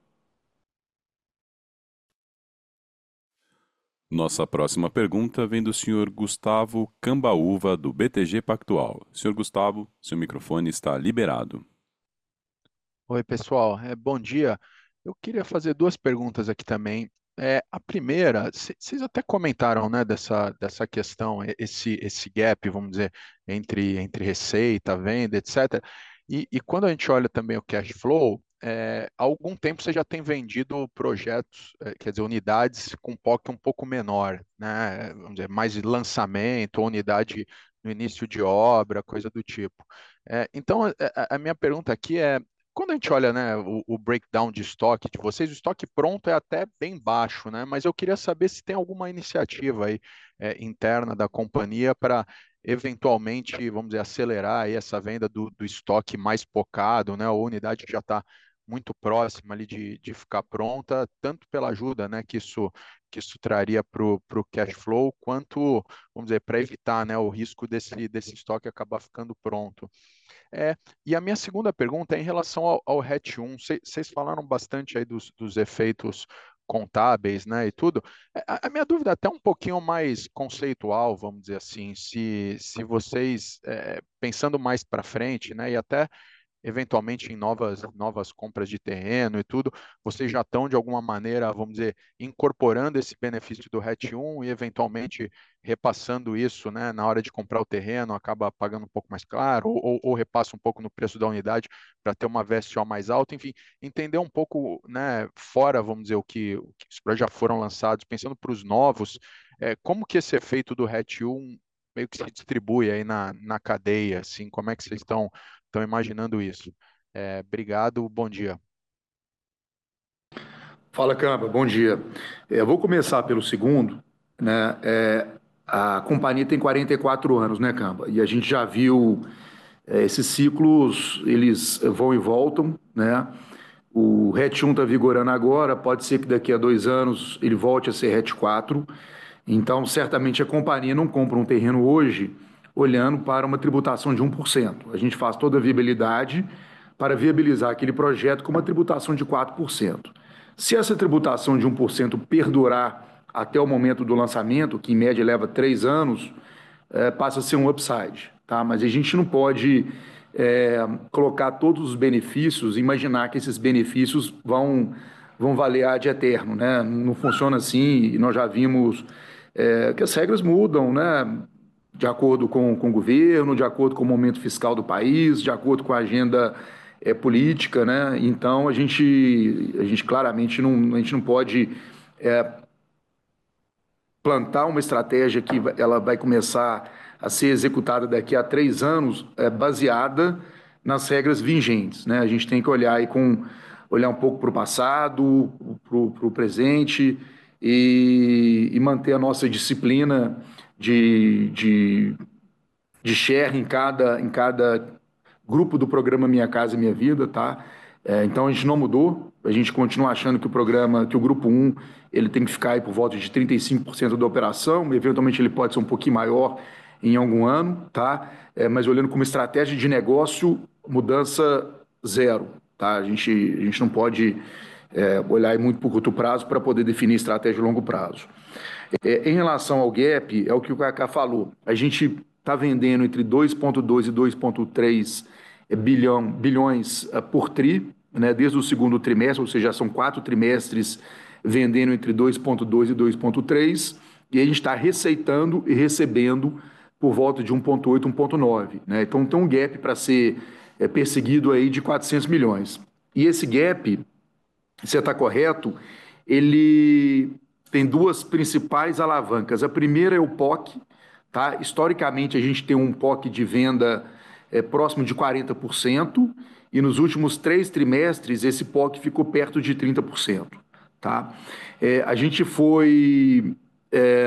Nossa próxima pergunta vem do senhor Gustavo Cambaúva, do BTG Pactual. Senhor Gustavo, seu microfone está liberado. Oi, pessoal, bom dia! Eu queria fazer duas perguntas aqui também. A primeira, vocês até comentaram dessa questão, esse gap, vamos dizer, entre receita, venda, et cetera. E quando a gente olha também o cashflow... Há algum tempo, vocês já têm vendido projetos, quer dizer, unidades com um POC um pouco menor, né? Vamos dizer, mais de lançamento ou unidade no início de obra, coisa do tipo. Então, a minha pergunta aqui é: quando a gente olha o breakdown de estoque de vocês, o estoque pronto é até bem baixo, né? Mas eu queria saber se tem alguma iniciativa aí interna da companhia, para eventualmente, vamos dizer, acelerar essa venda do estoque mais pocado, né? Ou unidade que já está muito próxima ali de ficar pronta, tanto pela ajuda que isso traria pro cashflow, quanto, vamos dizer, para evitar o risco desse estoque acabar ficando pronto. E a minha segunda pergunta é em relação ao RET 1. Vocês falaram bastante aí dos efeitos contábeis e tudo. A minha dúvida é até um pouquinho mais conceitual, vamos dizer assim, se vocês, pensando mais para frente e até eventualmente em novas compras de terreno e tudo, vocês já estão de alguma maneira, vamos dizer, incorporando esse benefício do RET 1 e eventualmente repassando isso na hora de comprar o terreno, acabam pagando um pouco mais claro, ou repassam um pouco no preço da unidade, para ter uma VSO mais alta. Enfim, entender um pouco, né, fora, vamos dizer, o que, os projetos já foram lançados, pensando pros novos, é, como que esse efeito do RET um, meio que se distribui aí na, na cadeia, assim, como é que vocês tão, tão imaginando isso? É, obrigado. Bom dia. Fala, Camba. Bom dia! Vou começar pelo segundo, né? A companhia tem quarenta e quatro anos, né, Camba? E a gente já viu esses ciclos, eles vão e voltam, né? O RET um tá vigorando agora, pode ser que daqui a dois anos, ele volte a ser RET quatro. Então, certamente a companhia não compra um terreno hoje, olhando para uma tributação de 1%. A gente faz toda a viabilidade, para viabilizar aquele projeto com uma tributação de 4%. Se essa tributação de 1% perdurar até o momento do lançamento, que em média leva três anos, passa a ser um upside, tá? Mas a gente não pode colocar todos os benefícios, imaginar que esses benefícios vão valer ad eternum, né? Não funciona assim, nós já vimos que as regras mudam, né, de acordo com o governo, de acordo com o momento fiscal do país, de acordo com a agenda política, né? Então, a gente claramente não pode plantar uma estratégia que ela vai começar a ser executada daqui a três anos baseada nas regras vigentes, né? A gente tem que olhar aí, olhar um pouco pro passado, pro presente, e manter a nossa disciplina de share em cada grupo do programa Minha Casa, Minha Vida, tá? Então a gente não mudou, a gente continua achando que o programa, que o grupo um, ele tem que ficar aí por volta de 35% da operação, eventualmente, ele pode ser um pouquinho maior em algum ano, tá? É, mas olhando como estratégia de negócio, mudança zero, tá? A gente não pode olhar muito pro curto prazo pra poder definir a estratégia de longo prazo. Em relação ao gap, é o que o Kaká falou, a gente tá vendendo entre R$ 2,2 e R$ 2,3 bilhões por tri, né? Desde o segundo trimestre, ou seja, são quatro trimestres vendendo entre R$ 2,2 e R$ 2,3, e a gente tá receitando e recebendo por volta de R$ 1,8, R$ 1,9, né? Então, tem um gap pra ser perseguido aí de R$ 400 milhões. E esse gap, se eu tô correto, ele tem duas principais alavancas. A primeira é o POC, tá? Historicamente, a gente tem um POC de venda próximo de 40%, e nos últimos três trimestres, esse POC ficou perto de 30%. A gente foi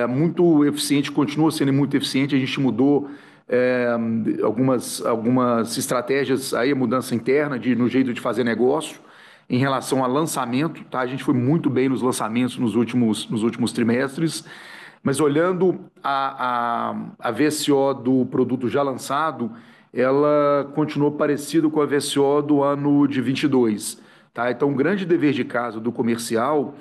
muito eficiente, continua sendo muito eficiente, a gente mudou algumas estratégias aí, a mudança interna no jeito de fazer negócio, em relação a lançamento. A gente foi muito bem nos lançamentos nos últimos trimestres, mas olhando a VCO do produto já lançado, ela continuou parecido com a VCO do ano de 2022. Então o grande dever de casa do comercial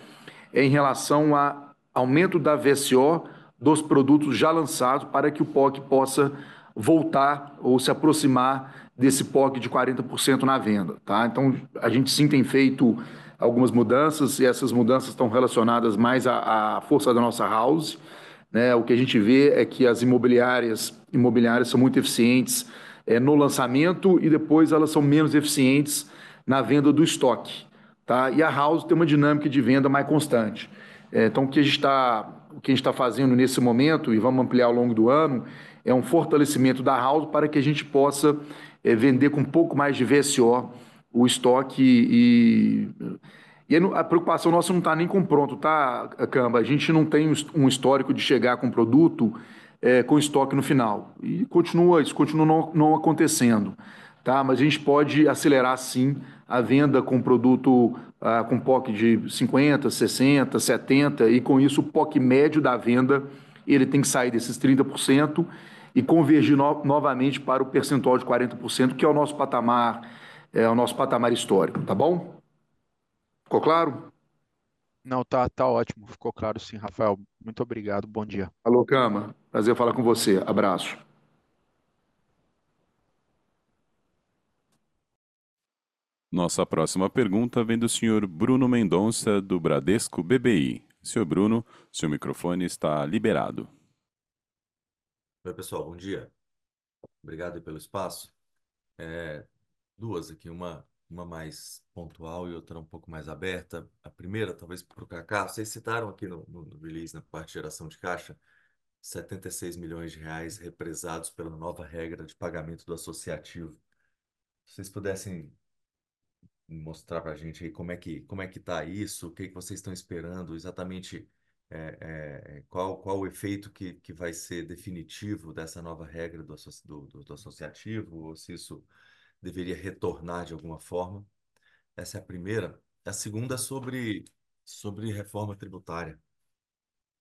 é em relação a aumento da VCO dos produtos já lançados, para que o POC possa voltar ou se aproximar desse POC de 40% na venda. Então, a gente, sim, tem feito algumas mudanças, e essas mudanças estão relacionadas mais à força da nossa house, né? O que a gente vê é que as imobiliárias são muito eficientes no lançamento, e depois elas são menos eficientes na venda do estoque, tá? E a house tem uma dinâmica de venda mais constante. Então, o que a gente está fazendo nesse momento, e vamos ampliar ao longo do ano, é um fortalecimento da house, para que a gente possa vender com um pouco mais de VGV o estoque. E a preocupação nossa não está nem com o pronto, tá, Cama? A gente não tem um histórico de chegar com produto com estoque no final. E continua, isso continua não acontecendo, tá? Mas a gente pode acelerar, sim, a venda com produto com POC de 50%, 60%, 70%, e com isso, o POC médio da venda, ele tem que sair desses 30% e convergir novamente para o percentual de 40%, que é o nosso patamar, é o nosso patamar histórico, tá bom? Ficou claro? Não, está, está ótimo. Ficou claro, sim, Rafael. Muito obrigado, bom dia. Falou, Cama. Prazer falar com você. Abraço. Nossa próxima pergunta vem do senhor Bruno Mendonça, do Bradesco BBI. Senhor Bruno, seu microfone está liberado. Oi, pessoal, bom dia. Obrigado pelo espaço. Duas aqui, uma mais pontual e outra um pouco mais aberta. A primeira, talvez pro Kaká. Vocês citaram aqui no release, na parte de geração de caixa, R$ 76 milhões represados pela nova regra de pagamento do associativo. Se vocês pudessem mostrar pra gente como é que está isso, o que vocês estão esperando exatamente, qual o efeito que vai ser definitivo dessa nova regra do associativo, ou se isso deveria retornar de alguma forma? Essa é a primeira. A segunda, sobre reforma tributária.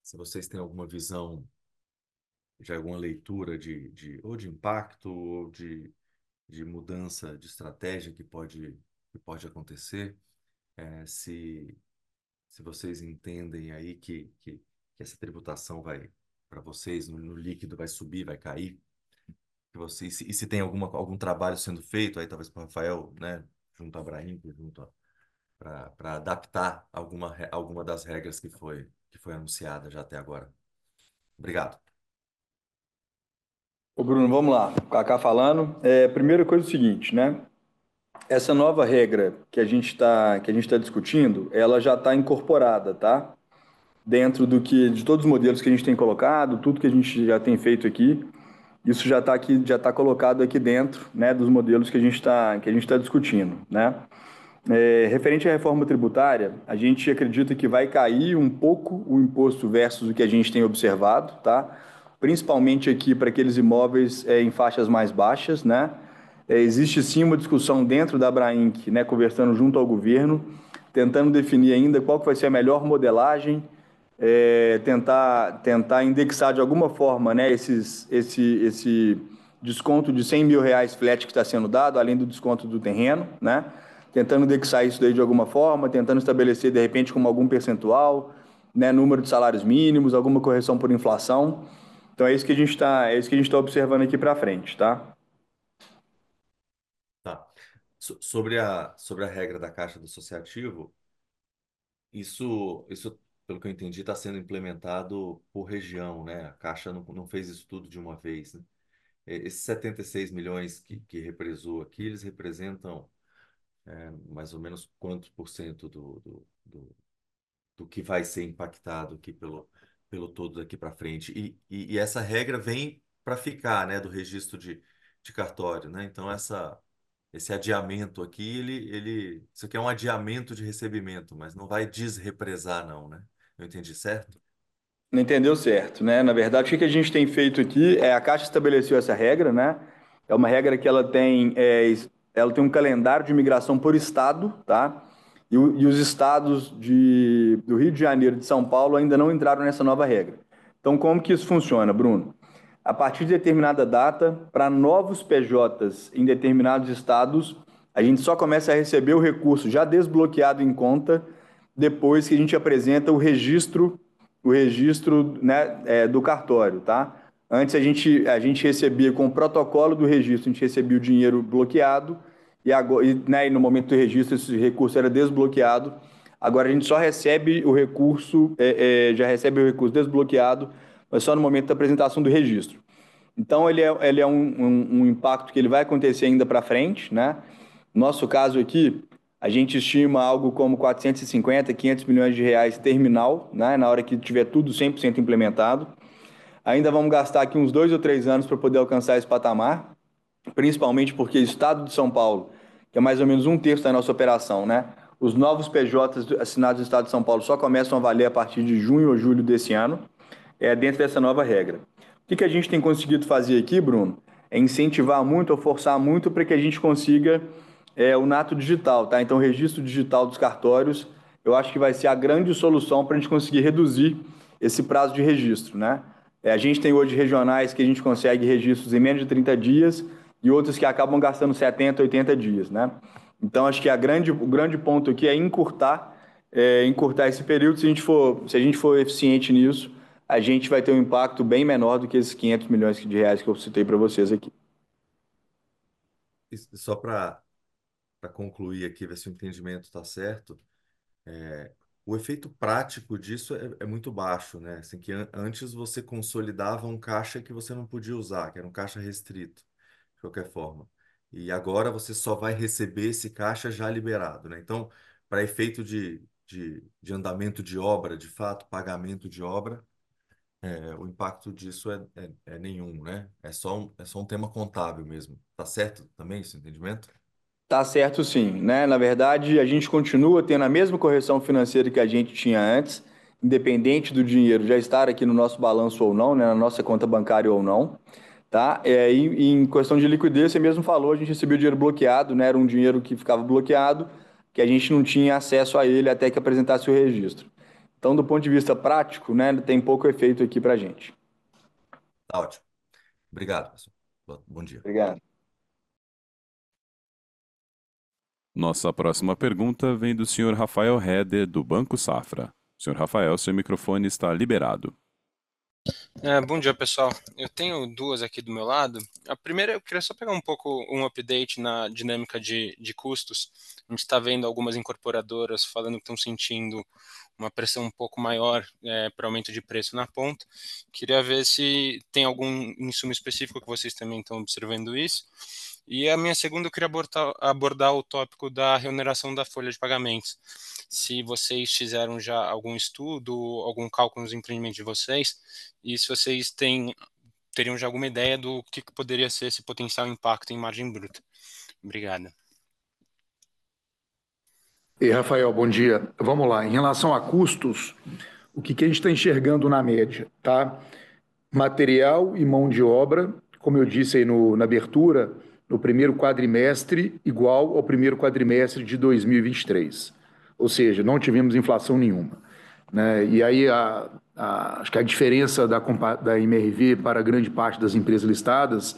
Se vocês têm alguma visão de alguma leitura ou de impacto, ou de mudança de estratégia que pode acontecer, se vocês entendem aí que essa tributação vai, para vocês, no líquido, vai subir, vai cair? E se tem algum trabalho sendo feito, aí talvez para o Rafael, né, junto à Abrainc, para adaptar alguma das regras que foi anunciada já até agora. Obrigado. Ô Bruno, vamos lá, Kaká falando. A primeira coisa é o seguinte: essa nova regra que a gente está, que a gente está discutindo, ela já está incorporada. Dentro do que, de todos os modelos que a gente tem colocado, tudo que a gente já tem feito aqui, isso já está aqui, já está colocado aqui dentro dos modelos que a gente está, que a gente está discutindo. Referente à reforma tributária, a gente acredita que vai cair um pouco o imposto versus o que a gente tem observado. Principalmente aqui para aqueles imóveis em faixas mais baixas. Existe, sim, uma discussão dentro da Abrainc, conversando junto ao governo, tentando definir ainda qual que vai ser a melhor modelagem. Tentar indexar de alguma forma esses descontos de cem mil reais flat que estão sendo dados, além do desconto do terreno. Tentando indexar isso de alguma forma, tentando estabelecer, de repente, como algum percentual, número de salários mínimos, alguma correção por inflação. Então é isso que a gente está observando aqui para frente. Tá! Sobre a regra da Caixa do associativo, isso está sendo implementado por região, né? A Caixa não fez isso tudo de uma vez, né? Esses setenta e seis milhões que represou aqui, eles representam mais ou menos quantos % do que vai ser impactado aqui pelo todo daqui pra frente? E essa regra vem pra ficar, né, do registro de cartório, né? Então esse adiamento aqui, isso aqui é um adiamento de recebimento, mas não vai desrepresar não, né? Eu entendi certo? Entendeu certo, né? Na verdade, o que a gente tem feito aqui é a Caixa estabeleceu essa regra, né? É uma regra que ela tem, ela tem um calendário de migração por estado, tá? E os estados do Rio de Janeiro e de São Paulo ainda não entraram nessa nova regra. Então, como isso funciona, Bruno? A partir de determinada data, para novos PJs, em determinados estados, a gente só começa a receber o recurso já desbloqueado em conta depois que a gente apresenta o registro do cartório, tá? Antes, a gente recebia com o protocolo do registro, a gente recebia o dinheiro bloqueado, e no momento do registro, esse recurso era desbloqueado. Agora, a gente só recebe o recurso já desbloqueado, mas só no momento da apresentação do registro. Então, ele é um impacto que ele vai acontecer ainda pra frente, né? No nosso caso, aqui, a gente estima algo como R$ 450, R$ 500 bilhões terminal, né, na hora que tiver tudo 100% implementado. Ainda vamos gastar aqui uns dois ou três anos pra poder alcançar esse patamar, principalmente porque o estado de São Paulo, que é mais ou menos um terço da nossa operação, né? Os novos PJs assinados no estado de São Paulo só começam a valer a partir de junho ou julho desse ano, dentro dessa nova regra. O que que a gente tem conseguido fazer aqui, Bruno? É incentivar muito ou forçar muito pra que a gente consiga o nato digital, tá? Então, registro digital dos cartórios, eu acho que vai ser a grande solução pra gente conseguir reduzir esse prazo de registro, né? A gente tem hoje regionais que a gente consegue registros em menos de trinta dias, e outros que acabam gastando setenta, oitenta dias, né? Então acho que a grande, o grande ponto aqui é encurtar esse período. Se a gente for eficiente nisso, a gente vai ter um impacto bem menor do que esses R$ 500 bilhões que eu citei para vocês aqui. Só para concluir aqui, ver se o entendimento está certo. O efeito prático disso é muito baixo, né? Que antes você consolidava um caixa que você não podia usar, que era um caixa restrito, de qualquer forma. E agora você só vai receber esse caixa já liberado, né? Então, para efeito de andamento de obra, de fato, pagamento de obra, o impacto disso é nenhum, né? É só um tema contábil mesmo. Está certo também, esse entendimento? Tá certo, sim, né? Na verdade, a gente continua tendo a mesma correção financeira que a gente tinha antes, independente do dinheiro já estar aqui no nosso balanço ou não, na nossa conta bancária ou não, tá? E em questão de liquidez, você mesmo falou, a gente recebia o dinheiro bloqueado, né? Era um dinheiro que ficava bloqueado, que a gente não tinha acesso a ele até que apresentasse o registro. Então, do ponto de vista prático, né, ele tem pouco efeito aqui pra gente. Está ótimo! Obrigado, pessoal. Bom dia. Obrigado. Nossa próxima pergunta vem do senhor Rafael Reder, do Banco Safra. Senhor Rafael, seu microfone está liberado. É, bom dia, pessoal. Eu tenho duas aqui do meu lado. A primeira, eu queria só pegar um pouco, um update na dinâmica de custos. A gente tá vendo algumas incorporadoras falando que estão sentindo uma pressão um pouco maior para aumento de preço na ponta. Queria ver se tem algum insumo específico que vocês também estão observando isso. E a minha segunda, eu queria abordar o tópico da reoneração da folha de pagamentos. Se vocês fizeram já algum estudo, algum cálculo nos empreendimentos de vocês, e se vocês têm, teriam já alguma ideia do que que poderia ser esse potencial impacto em margem bruta. Obrigado. Ei, Rafael, bom dia! Vamos lá, em relação a custos, o que que a gente está enxergando na média, tá? Material e mão de obra, como eu disse aí na abertura, no primeiro quadrimestre, igual ao primeiro quadrimestre de 2023. Ou seja, não tivemos inflação nenhuma, né? E aí, acho que a diferença da MRV para grande parte das empresas listadas,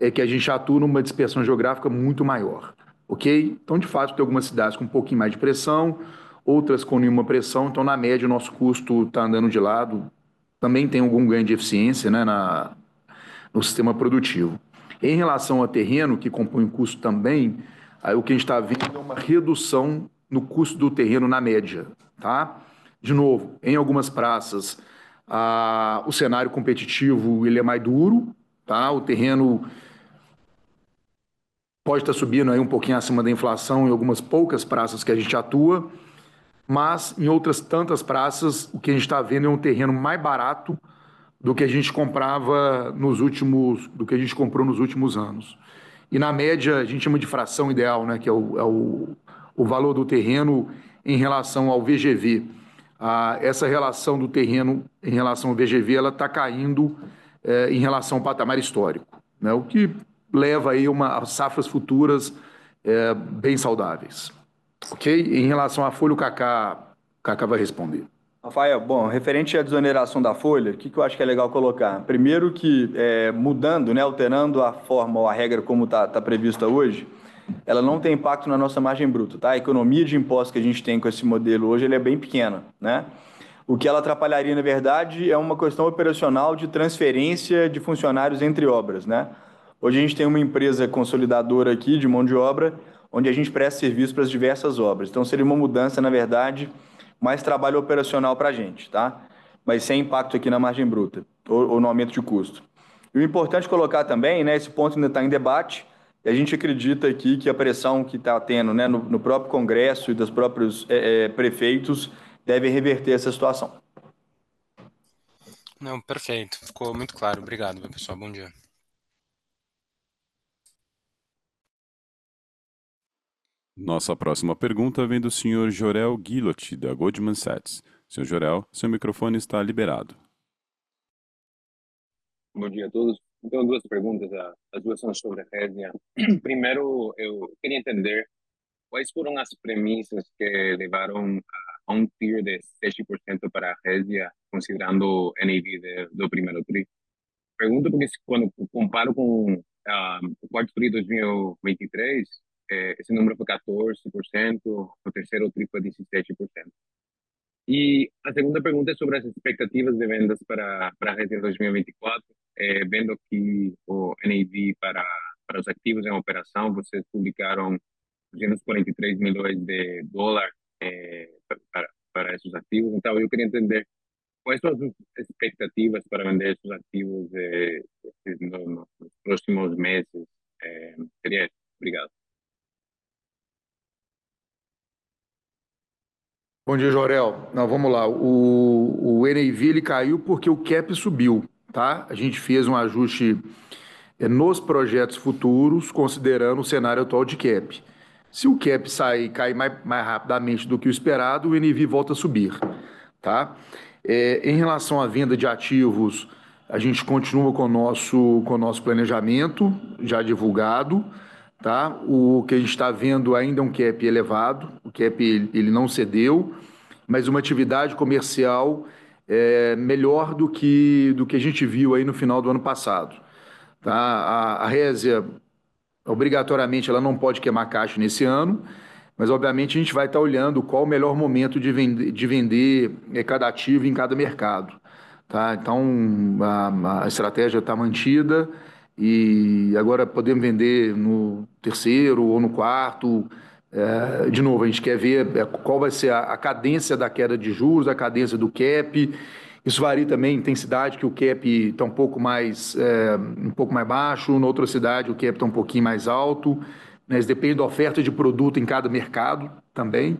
é que a gente atua numa dispersão geográfica muito maior, ok? Então, de fato, tem algumas cidades com um pouquinho mais de pressão, outras com nenhuma pressão, então, na média, o nosso custo está andando de lado. Também tem algum ganho de eficiência, né, no sistema produtivo. Em relação a terreno, que compõe o custo também, aí o que a gente está vendo é uma redução no custo do terreno, na média, tá? De novo, em algumas praças, o cenário competitivo ele é mais duro, tá? O terreno pode estar subindo aí um pouquinho acima da inflação, em algumas poucas praças que a gente atua, mas em outras tantas praças, o que a gente está vendo é um terreno mais barato do que a gente comprava nos últimos, do que a gente comprou nos últimos anos. E na média, a gente chama de fração ideal, né, que é o valor do terreno em relação ao VGV. Essa relação do terreno em relação ao VGV, ela está caindo em relação ao patamar histórico, né? O que leva aí a safras futuras bem saudáveis, ok? Em relação à folha, o Cacá vai responder. Rafael, bom, referente à desoneração da folha, o que que eu acho que é legal colocar? Primeiro que, mudando, né, alterando a forma ou a regra como está prevista hoje, ela não tem impacto na nossa margem bruta, tá? A economia de impostos que a gente tem com esse modelo hoje, ele é bem pequena, né. O que ela atrapalharia, na verdade, é uma questão operacional de transferência de funcionários entre obras, né? Hoje, a gente tem uma empresa consolidadora aqui, de mão de obra, onde a gente presta serviço para as diversas obras. Então, seria uma mudança, na verdade, mais trabalho operacional para a gente, tá? Mas sem impacto aqui na margem bruta ou no aumento de custo. É importante colocar também, né, esse ponto ainda está em debate, e a gente acredita aqui que a pressão que está tendo, né, no próprio Congresso e dos próprios prefeitos devem reverter essa situação. Não, perfeito, ficou muito claro. Obrigado, meu pessoal. Bom dia! Nossa próxima pergunta vem do Senhor Jorel Guilot, da Goldman Sachs. Senhor Jorel, seu microfone está liberado. Bom dia a todos. Eu tenho duas perguntas, as duas são sobre a Resia. Primeiro, eu queria entender quais foram as premissas que levaram a um tier de 6% para a Resia, considerando o NIV do primeiro trimestre? Pergunto, porque quando comparo com o quarto trimestre 2023, esse número foi 14%, o terceiro trimestre foi 17%. A segunda pergunta é sobre as expectativas de vendas para a Resia em 2024, vendo que o NIV para os ativos em operação, vocês publicaram menos $43,000 para esses ativos. Então, eu queria entender quais são as expectativas para vender esses ativos nos próximos meses? Obrigado. Bom dia, Jorel. Não, vamos lá, o NIV ele caiu porque o Cap subiu, tá? A gente fez um ajuste nos projetos futuros, considerando o cenário atual de Cap. Se o Cap sair, cair mais rapidamente do que o esperado, o NIV volta a subir, tá? Em relação à venda de ativos, a gente continua com o nosso planejamento, já divulgado, tá? O que a gente tá vendo ainda é um Cap elevado, o Cap ele não cedeu, mas uma atividade comercial melhor do que a gente viu aí no final do ano passado, tá? A Resia, obrigatoriamente, ela não pode queimar caixa nesse ano, mas obviamente, a gente vai tá olhando qual o melhor momento de vender cada ativo em cada mercado, tá? Então, a estratégia está mantida e agora podemos vender no terceiro ou no quarto. De novo, a gente quer ver qual vai ser a cadência da queda de juros, a cadência do Cap. Isso varia também em intensidade, que o Cap está um pouco mais baixo numa outra cidade, o Cap está um pouquinho mais alto, né, isso depende da oferta de produto em cada mercado também,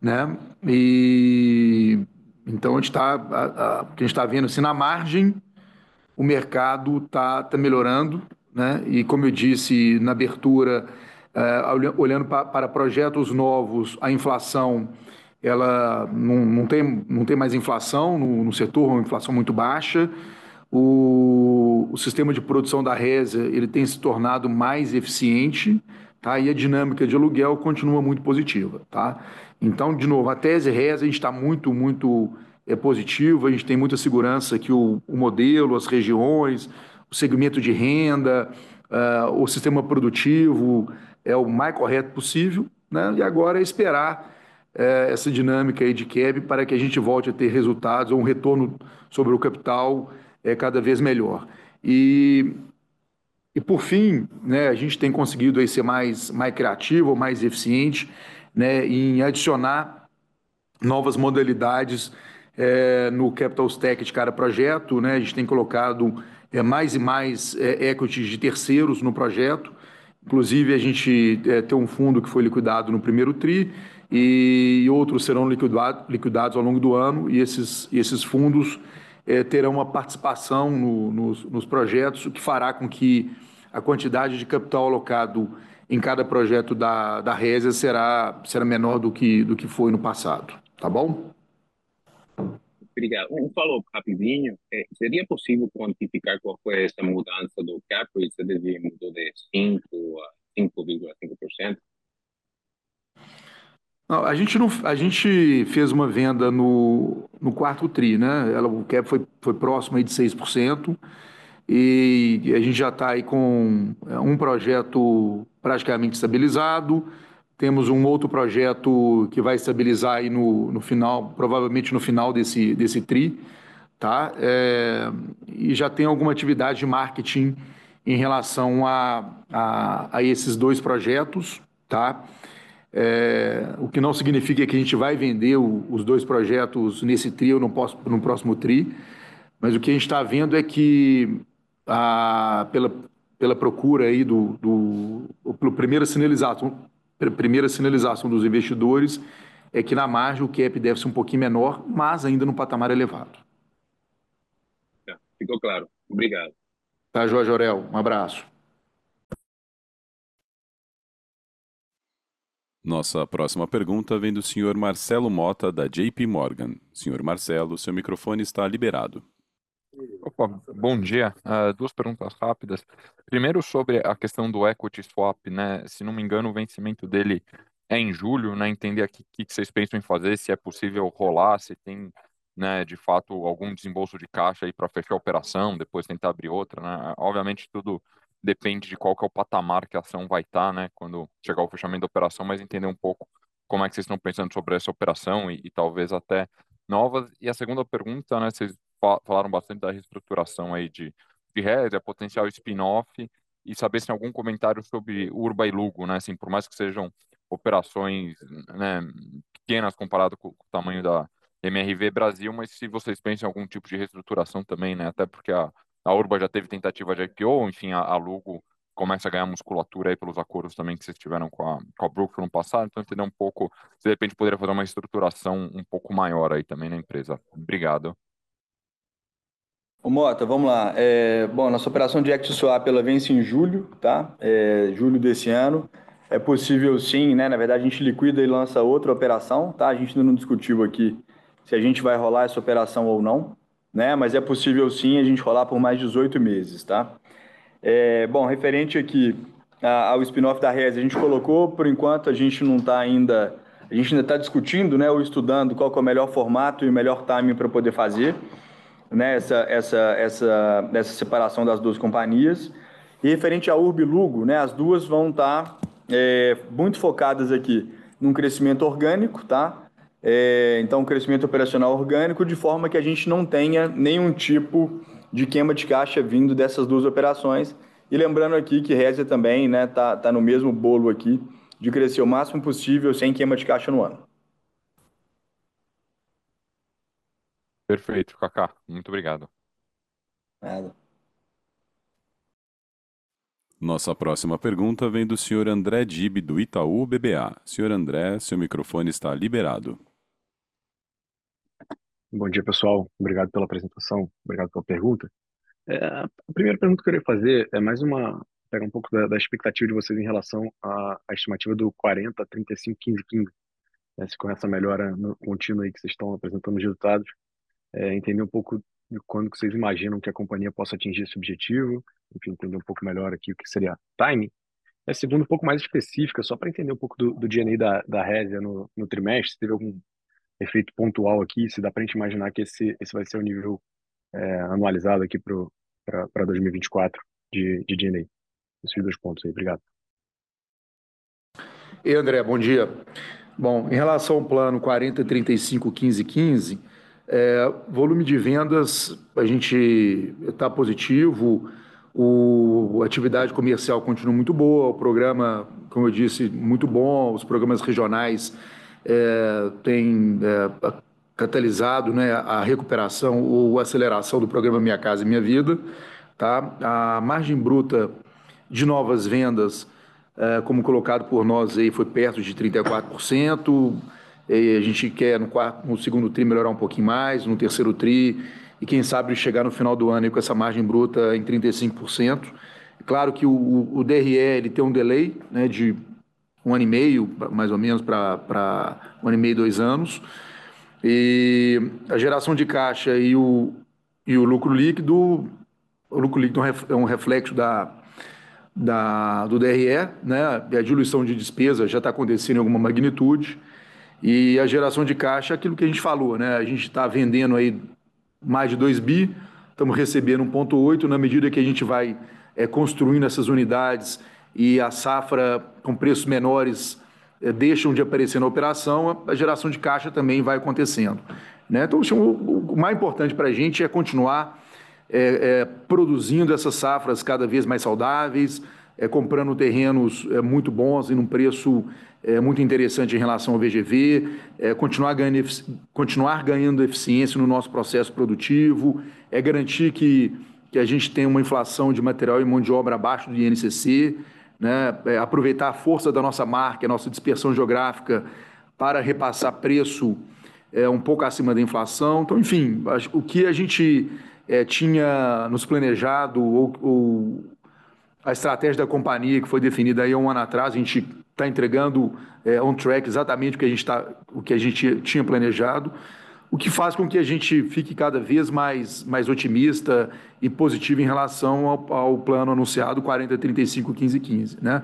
né? E então, a gente está, o que a gente está vendo, assim, na margem, o mercado está melhorando, né? E como eu disse na abertura, olhando para projetos novos, a inflação, ela não tem mais inflação no setor, uma inflação muito baixa. O sistema de produção da Resia, ele tem se tornado mais eficiente, está? E a dinâmica de aluguel continua muito positiva, está? Então, de novo, a tese Resia, a gente está muito, muito positivo, a gente tem muita segurança que o modelo, as regiões, o segmento de renda, o sistema produtivo, é o mais correto possível, né? E agora é esperar essa dinâmica aí de Cap, para que a gente volte a ter resultados ou um retorno sobre o capital cada vez melhor. E, por fim, né, a gente tem conseguido aí ser mais criativo ou mais eficiente em adicionar novas modalidades no Capital Stack de cada projeto, né? A gente tem colocado mais e mais equity de terceiros no projeto. Inclusive, a gente tem um fundo que foi liquidado no primeiro trimestre e outros serão liquidados ao longo do ano, e esses fundos terão uma participação nos projetos, o que fará com que a quantidade de capital alocado em cada projeto da Resia será menor do que foi no passado, tá bom? Obrigado. Me fala rapidinho, seria possível quantificar qual foi essa mudança do Cap? Se ele mudou de 5% a 5,5%? Não, a gente não fez uma venda no quarto tri, né? Ela, o Cap foi próximo aí de 6%, e a gente já tá aí com um projeto praticamente estabilizado. Temos um outro projeto que vai estabilizar aí no final, provavelmente no final desse tri, tá? E já tem alguma atividade de marketing em relação a esses dois projetos, tá? O que não significa que a gente vai vender os dois projetos nesse tri ou no próximo tri, mas o que a gente tá vendo é que, pela procura aí do, pela primeira sinalização, pela primeira sinalização dos investidores, é que na margem, o Cap deve ser um pouquinho menor, mas ainda num patamar elevado. Tá, ficou claro. Obrigado. Tá joia, Jorel. Um abraço. Nossa próxima pergunta vem do senhor Marcelo Mota, da JP Morgan. Senhor Marcelo, seu microfone está liberado. Opa, bom dia, duas perguntas rápidas. Primeiro, sobre a questão do Equity Swap, né? Se não me engano, o vencimento dele é em julho, né? Entender o que vocês pensam em fazer, se é possível rolar, se tem, né, de fato, algum desembolso de caixa aí para fechar a operação, depois tentar abrir outra, né? Obviamente, tudo depende de qual que é o patamar que a ação vai estar, né, quando chegar o fechamento da operação, mas entender um pouco como é que vocês estão pensando sobre essa operação e talvez até novas. E a segunda pergunta, né, vocês falaram bastante da reestruturação aí de Resia, potencial spin-off, e saber se tem algum comentário sobre Urba e Lugo, né? Assim, por mais que sejam operações, né, pequenas, comparado com o tamanho da MRV Brasil, mas se vocês pensam em algum tipo de reestruturação também, né? Até porque a Urba já teve tentativa de IPO, enfim, a Lugo começa a ganhar musculatura aí pelos acordos também, que vocês tiveram com a Brookfield no passado. Então entender um pouco, se de repente poderia fazer uma reestruturação um pouco maior aí também na empresa. Obrigado! Ô Mota, vamos lá! Bom, nossa operação de equity swap, ela vence em julho, tá? Julho desse ano. É possível, sim, na verdade, a gente liquida e lança outra operação, tá? A gente ainda não discutiu aqui, se a gente vai rolar essa operação ou não, né? Mas é possível, sim, a gente rolar por mais dezoito meses, tá? Bom, referente aqui ao spin-off da Resi, a gente colocou, por enquanto, a gente não tá ainda... a gente ainda tá discutindo, né, ou estudando qual que é o melhor formato e o melhor timing para poder fazer essa separação das duas companhias. E referente à Urbi Lugo, né, as duas vão estar muito focadas aqui num crescimento orgânico, tá? Então, um crescimento operacional orgânico, de forma que a gente não tenha nenhum tipo de queima de caixa vindo dessas duas operações. E lembrando aqui que Resi também está no mesmo bolo aqui, de crescer o máximo possível, sem queima de caixa no ano. Perfeito, Kaká, muito obrigado. De nada. Nossa próxima pergunta vem do senhor André Dib, do Itaú BBA. Senhor André, seu microfone está liberado. Bom dia, pessoal, obrigado pela apresentação, obrigado pela pergunta. A primeira pergunta que eu queria fazer é mais uma, pegar um pouco da expectativa de vocês em relação à estimativa do 40%, 35%, 15%, 15%. Se com essa melhora contínua aí, que vocês estão apresentando os resultados, entender um pouco de quando que vocês imaginam que a companhia possa atingir esse objetivo, enfim, entender um pouco melhor aqui o que seria o timing. E a segunda, um pouco mais específica, só para entender um pouco do DNI da Resi no trimestre, se teve algum efeito pontual aqui, se dá para a gente imaginar que esse vai ser o nível anualizado aqui para 2024 de DNI. Esses dois pontos aí. Obrigado. Ei, André, bom dia! Bom, em relação ao plano 40, 35, 15, 15, volume de vendas, a gente tá positivo, a atividade comercial continua muito boa, o programa, como eu disse, muito bom, os programas regionais têm catalisado a recuperação ou aceleração do programa Minha Casa, Minha Vida, tá? A margem bruta de novas vendas, como colocado por nós aí, foi perto de 34%, e a gente quer no segundo tri melhorar um pouquinho mais, no terceiro tri, e quem sabe chegar no final do ano aí com essa margem bruta em 35%. Claro que o DRE, ele tem um delay de um ano e meio, mais ou menos, para um ano e meio, dois anos. E a geração de caixa e o lucro líquido, o lucro líquido é um reflexo da DRE, né? E a diluição de despesa já está acontecendo em alguma magnitude, e a geração de caixa, aquilo que a gente falou, né? A gente está vendendo aí mais de R$ 2 bilhões, estamos recebendo R$ 1,8 bilhão, na medida que a gente vai construindo essas unidades e a safra com preços menores deixam de aparecer na operação, a geração de caixa também vai acontecendo, né? Então, o mais importante para a gente é continuar produzindo essas safras cada vez mais saudáveis, comprando terrenos muito bons e num preço muito interessante em relação ao VGV, continuar ganhando eficiência no nosso processo produtivo, garantir que a gente tenha uma inflação de material e mão de obra abaixo do INCC, né? Aproveitar a força da nossa marca e a nossa dispersão geográfica para repassar preço um pouco acima da inflação. Então, enfim, o que a gente tinha nos planejado, ou a estratégia da companhia, que foi definida aí um ano atrás, a gente está entregando on track, exatamente o que a gente estava, o que a gente tinha planejado, o que faz com que a gente fique cada vez mais otimista e positivo em relação ao plano anunciado, 40, 35, 15, 15, né?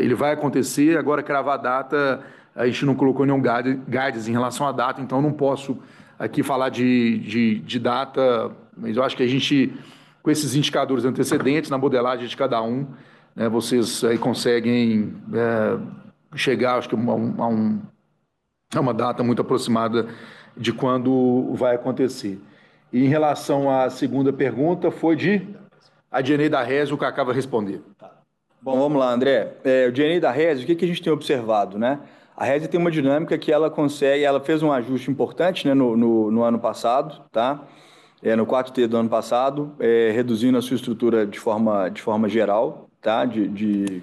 Ele vai acontecer, agora cravar a data, a gente não colocou nenhum guide, guides em relação à data, então não posso aqui falar de data, mas eu acho que a gente, com esses indicadores antecedentes, na modelagem de cada um, né, vocês aí conseguem chegar, acho que a uma data muito aproximada de quando vai acontecer. E em relação à segunda pergunta, foi de? A DNI da Resi, o Kaká vai responder. Tá! Bom, vamos lá, André. O DNI da Resi, o que que a gente tem observado, né? A Resi tem uma dinâmica que ela consegue... ela fez um ajuste importante, né, no ano passado, tá? No quarto trimestre do ano passado, reduzindo a sua estrutura de forma geral, tá? De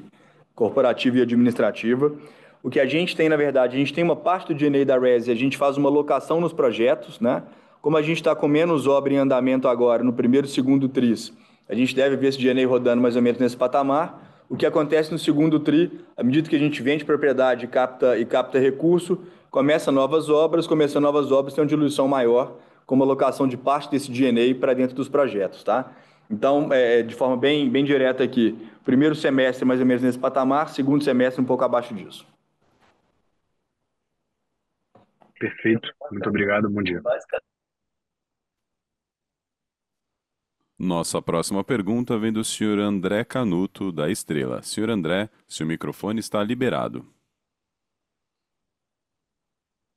corporativa e administrativa. O que a gente tem, na verdade, a gente tem uma parte do DNI da Resi, a gente faz uma locação nos projetos, né? Como a gente está com menos obra em andamento agora, no primeiro e segundo trimestres, a gente deve ver esse DNI rodando mais ou menos nesse patamar. O que acontece no segundo trimestre, à medida que a gente vende propriedade e capta, e capta recurso, começa novas obras, começa novas obras, tem uma diluição maior, com uma alocação de parte desse DNI para dentro dos projetos, tá? Então, de forma bem, bem direta aqui, primeiro semestre, mais ou menos nesse patamar, segundo semestre, um pouco abaixo disso. Perfeito, muito obrigado, bom dia! Nossa próxima pergunta vem do senhor André Canuto, da Estrela. Senhor André, seu microfone está liberado.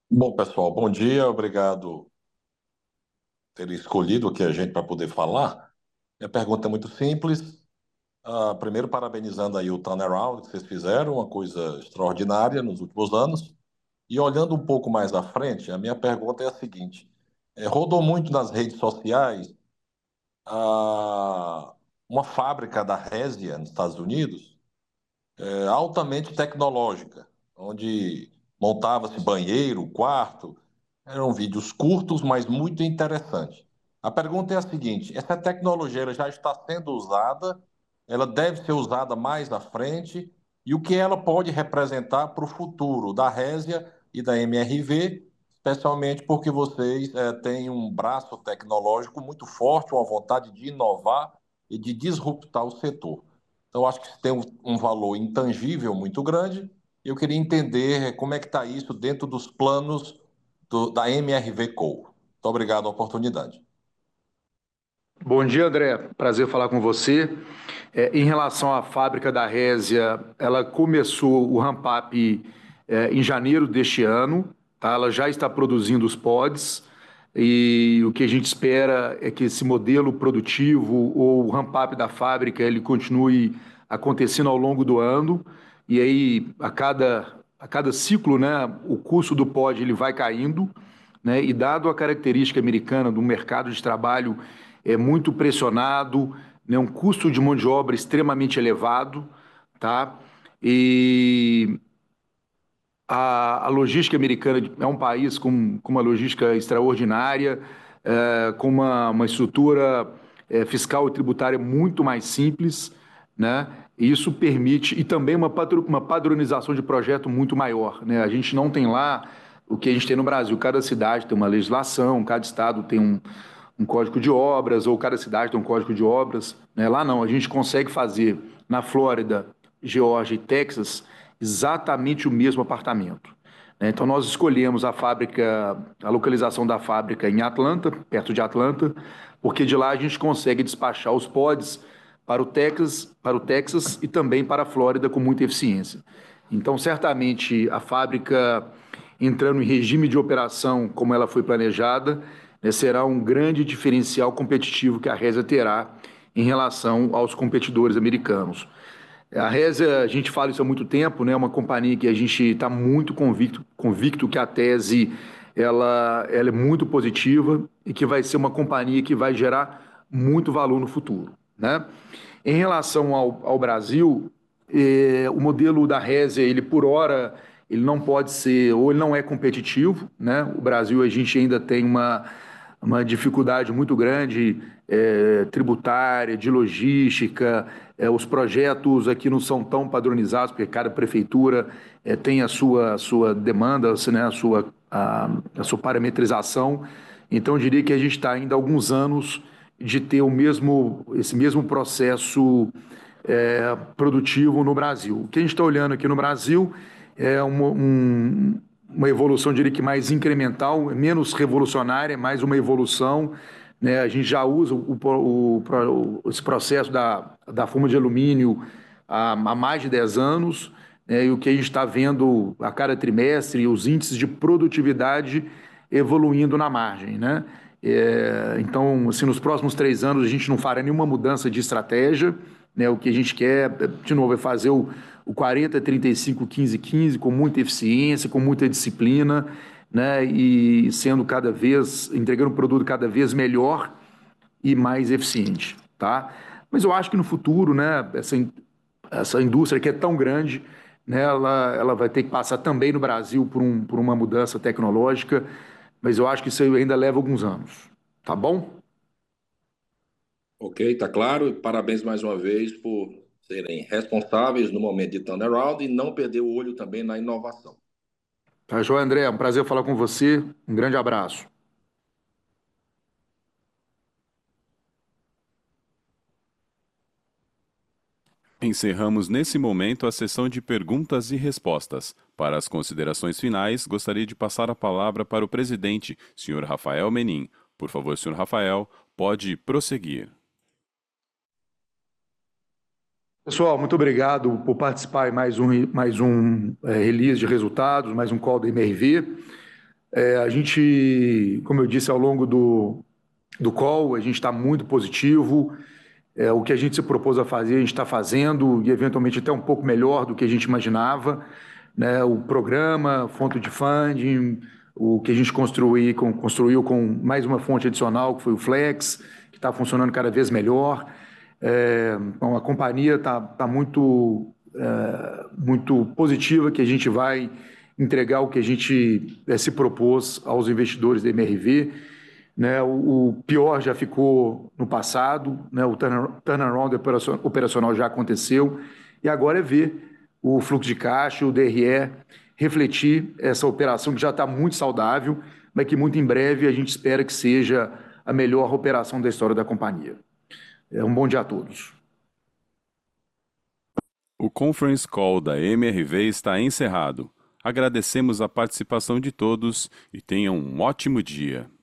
Bom, pessoal, bom dia, obrigado por terem escolhido aqui a gente para poder falar. Minha pergunta é muito simples. Primeiro parabenizando aí o turnaround que vocês fizeram, uma coisa extraordinária nos últimos anos. E olhando um pouco mais à frente, a minha pergunta é a seguinte: rodou muito nas redes sociais uma fábrica da Resia, nos Estados Unidos, altamente tecnológica, onde montava-se banheiro, quarto. Eram vídeos curtos, mas muito interessante. A pergunta é a seguinte: essa tecnologia, ela já está sendo usada, ela deve ser usada mais à frente, e o que ela pode representar pro futuro da Resia e da MRV, especialmente porque vocês têm um braço tecnológico muito forte, uma vontade de inovar e de disruptar o setor. Então, eu acho que isso tem um valor intangível muito grande, e eu queria entender como é que está isso dentro dos planos da MRV Co. Muito obrigado pela oportunidade. Bom dia, André, prazer falar com você. Em relação à fábrica da Resia, ela começou o ramp up em janeiro deste ano, tá? Ela já está produzindo os pods, e o que a gente espera é que esse modelo produtivo ou o ramp up da fábrica continue acontecendo ao longo do ano, e aí, a cada ciclo, né, o custo do pod vai caindo, né? Dado à característica americana do mercado de trabalho, muito pressionado, né, um custo de mão de obra extremamente elevado, tá? A logística americana é um país com uma logística extraordinária, com uma estrutura fiscal e tributária muito mais simples, né? Isso permite também uma padronização de projeto muito maior, né. A gente não tem lá o que a gente tem no Brasil. Cada cidade tem uma legislação, cada estado tem um código de obras, ou cada cidade tem um código de obras, né? Lá, não. A gente consegue fazer na Flórida, Geórgia e Texas, exatamente o mesmo apartamento, né. Então nós escolhemos a fábrica, a localização da fábrica em Atlanta, perto de Atlanta, porque de lá a gente consegue despachar os pods para o Texas, para o Texas e também para a Flórida, com muita eficiência. Então, certamente, a fábrica, entrando em regime de operação, como ela foi planejada, né, será um grande diferencial competitivo que a Resia terá em relação aos competidores americanos. A Resia, a gente fala isso há muito tempo, né, é uma companhia que a gente tá muito convicto que a tese ela é muito positiva e que vai ser uma companhia que vai gerar muito valor no futuro, né? Em relação ao Brasil, o modelo da Resia, ele, por ora, ele não pode ser, ou ele não é competitivo, né? O Brasil, a gente ainda tem uma dificuldade muito grande tributária, de logística, os projetos aqui não são tão padronizados, porque cada prefeitura tem a sua demanda, né, a sua parametrização. Então, eu diria que a gente tá ainda a alguns anos de ter esse mesmo processo produtivo no Brasil. O que a gente tá olhando aqui no Brasil é uma evolução, diria que mais incremental, menos revolucionária, mais uma evolução, né? A gente já usa esse processo da forma de alumínio há mais de dez anos, né, e o que a gente tá vendo a cada trimestre, os índices de produtividade evoluindo na margem, né? Então, se nos próximos três anos a gente não fará nenhuma mudança de estratégia, né, o que a gente quer, de novo, é fazer o quarenta, trinta e cinco, quinze, quinze, com muita eficiência, com muita disciplina, né, e sendo cada vez entregando um produto cada vez melhor e mais eficiente, tá? Mas eu acho que no futuro, né, essa indústria que é tão grande, né, ela vai ter que passar também no Brasil, por uma mudança tecnológica, mas eu acho que isso aí ainda leva alguns anos. Tá bom? Ok, está claro. Parabéns mais uma vez por serem responsáveis no momento de turnaround e não perder o olho também na inovação. Tá joia, André, é um prazer falar com você. Um grande abraço. Encerramos nesse momento a sessão de perguntas e respostas. Para as considerações finais, gostaria de passar a palavra para o presidente, senhor Rafael Menin. Por favor, senhor Rafael, pode prosseguir. Pessoal, muito obrigado por participar de mais um release de resultados, mais um call da MRV. A gente, como eu disse ao longo do call, a gente tá muito positivo. O que a gente se propôs a fazer, a gente tá fazendo e eventualmente até um pouco melhor do que a gente imaginava, né? O programa, fonte de funding, o que a gente construiu com mais uma fonte adicional, que foi o Flex, que tá funcionando cada vez melhor. A companhia tá muito positiva, que a gente vai entregar o que a gente se propôs aos investidores da MRV, né? O pior já ficou no passado, né, o turnaround operacional já aconteceu, e agora é ver o fluxo de caixa e o DRE refletir essa operação, que já está muito saudável, mas que muito em breve, a gente espera que seja a melhor operação da história da companhia. Um bom dia a todos! O Conference Call da MRV está encerrado. Agradecemos a participação de todos e tenham um ótimo dia.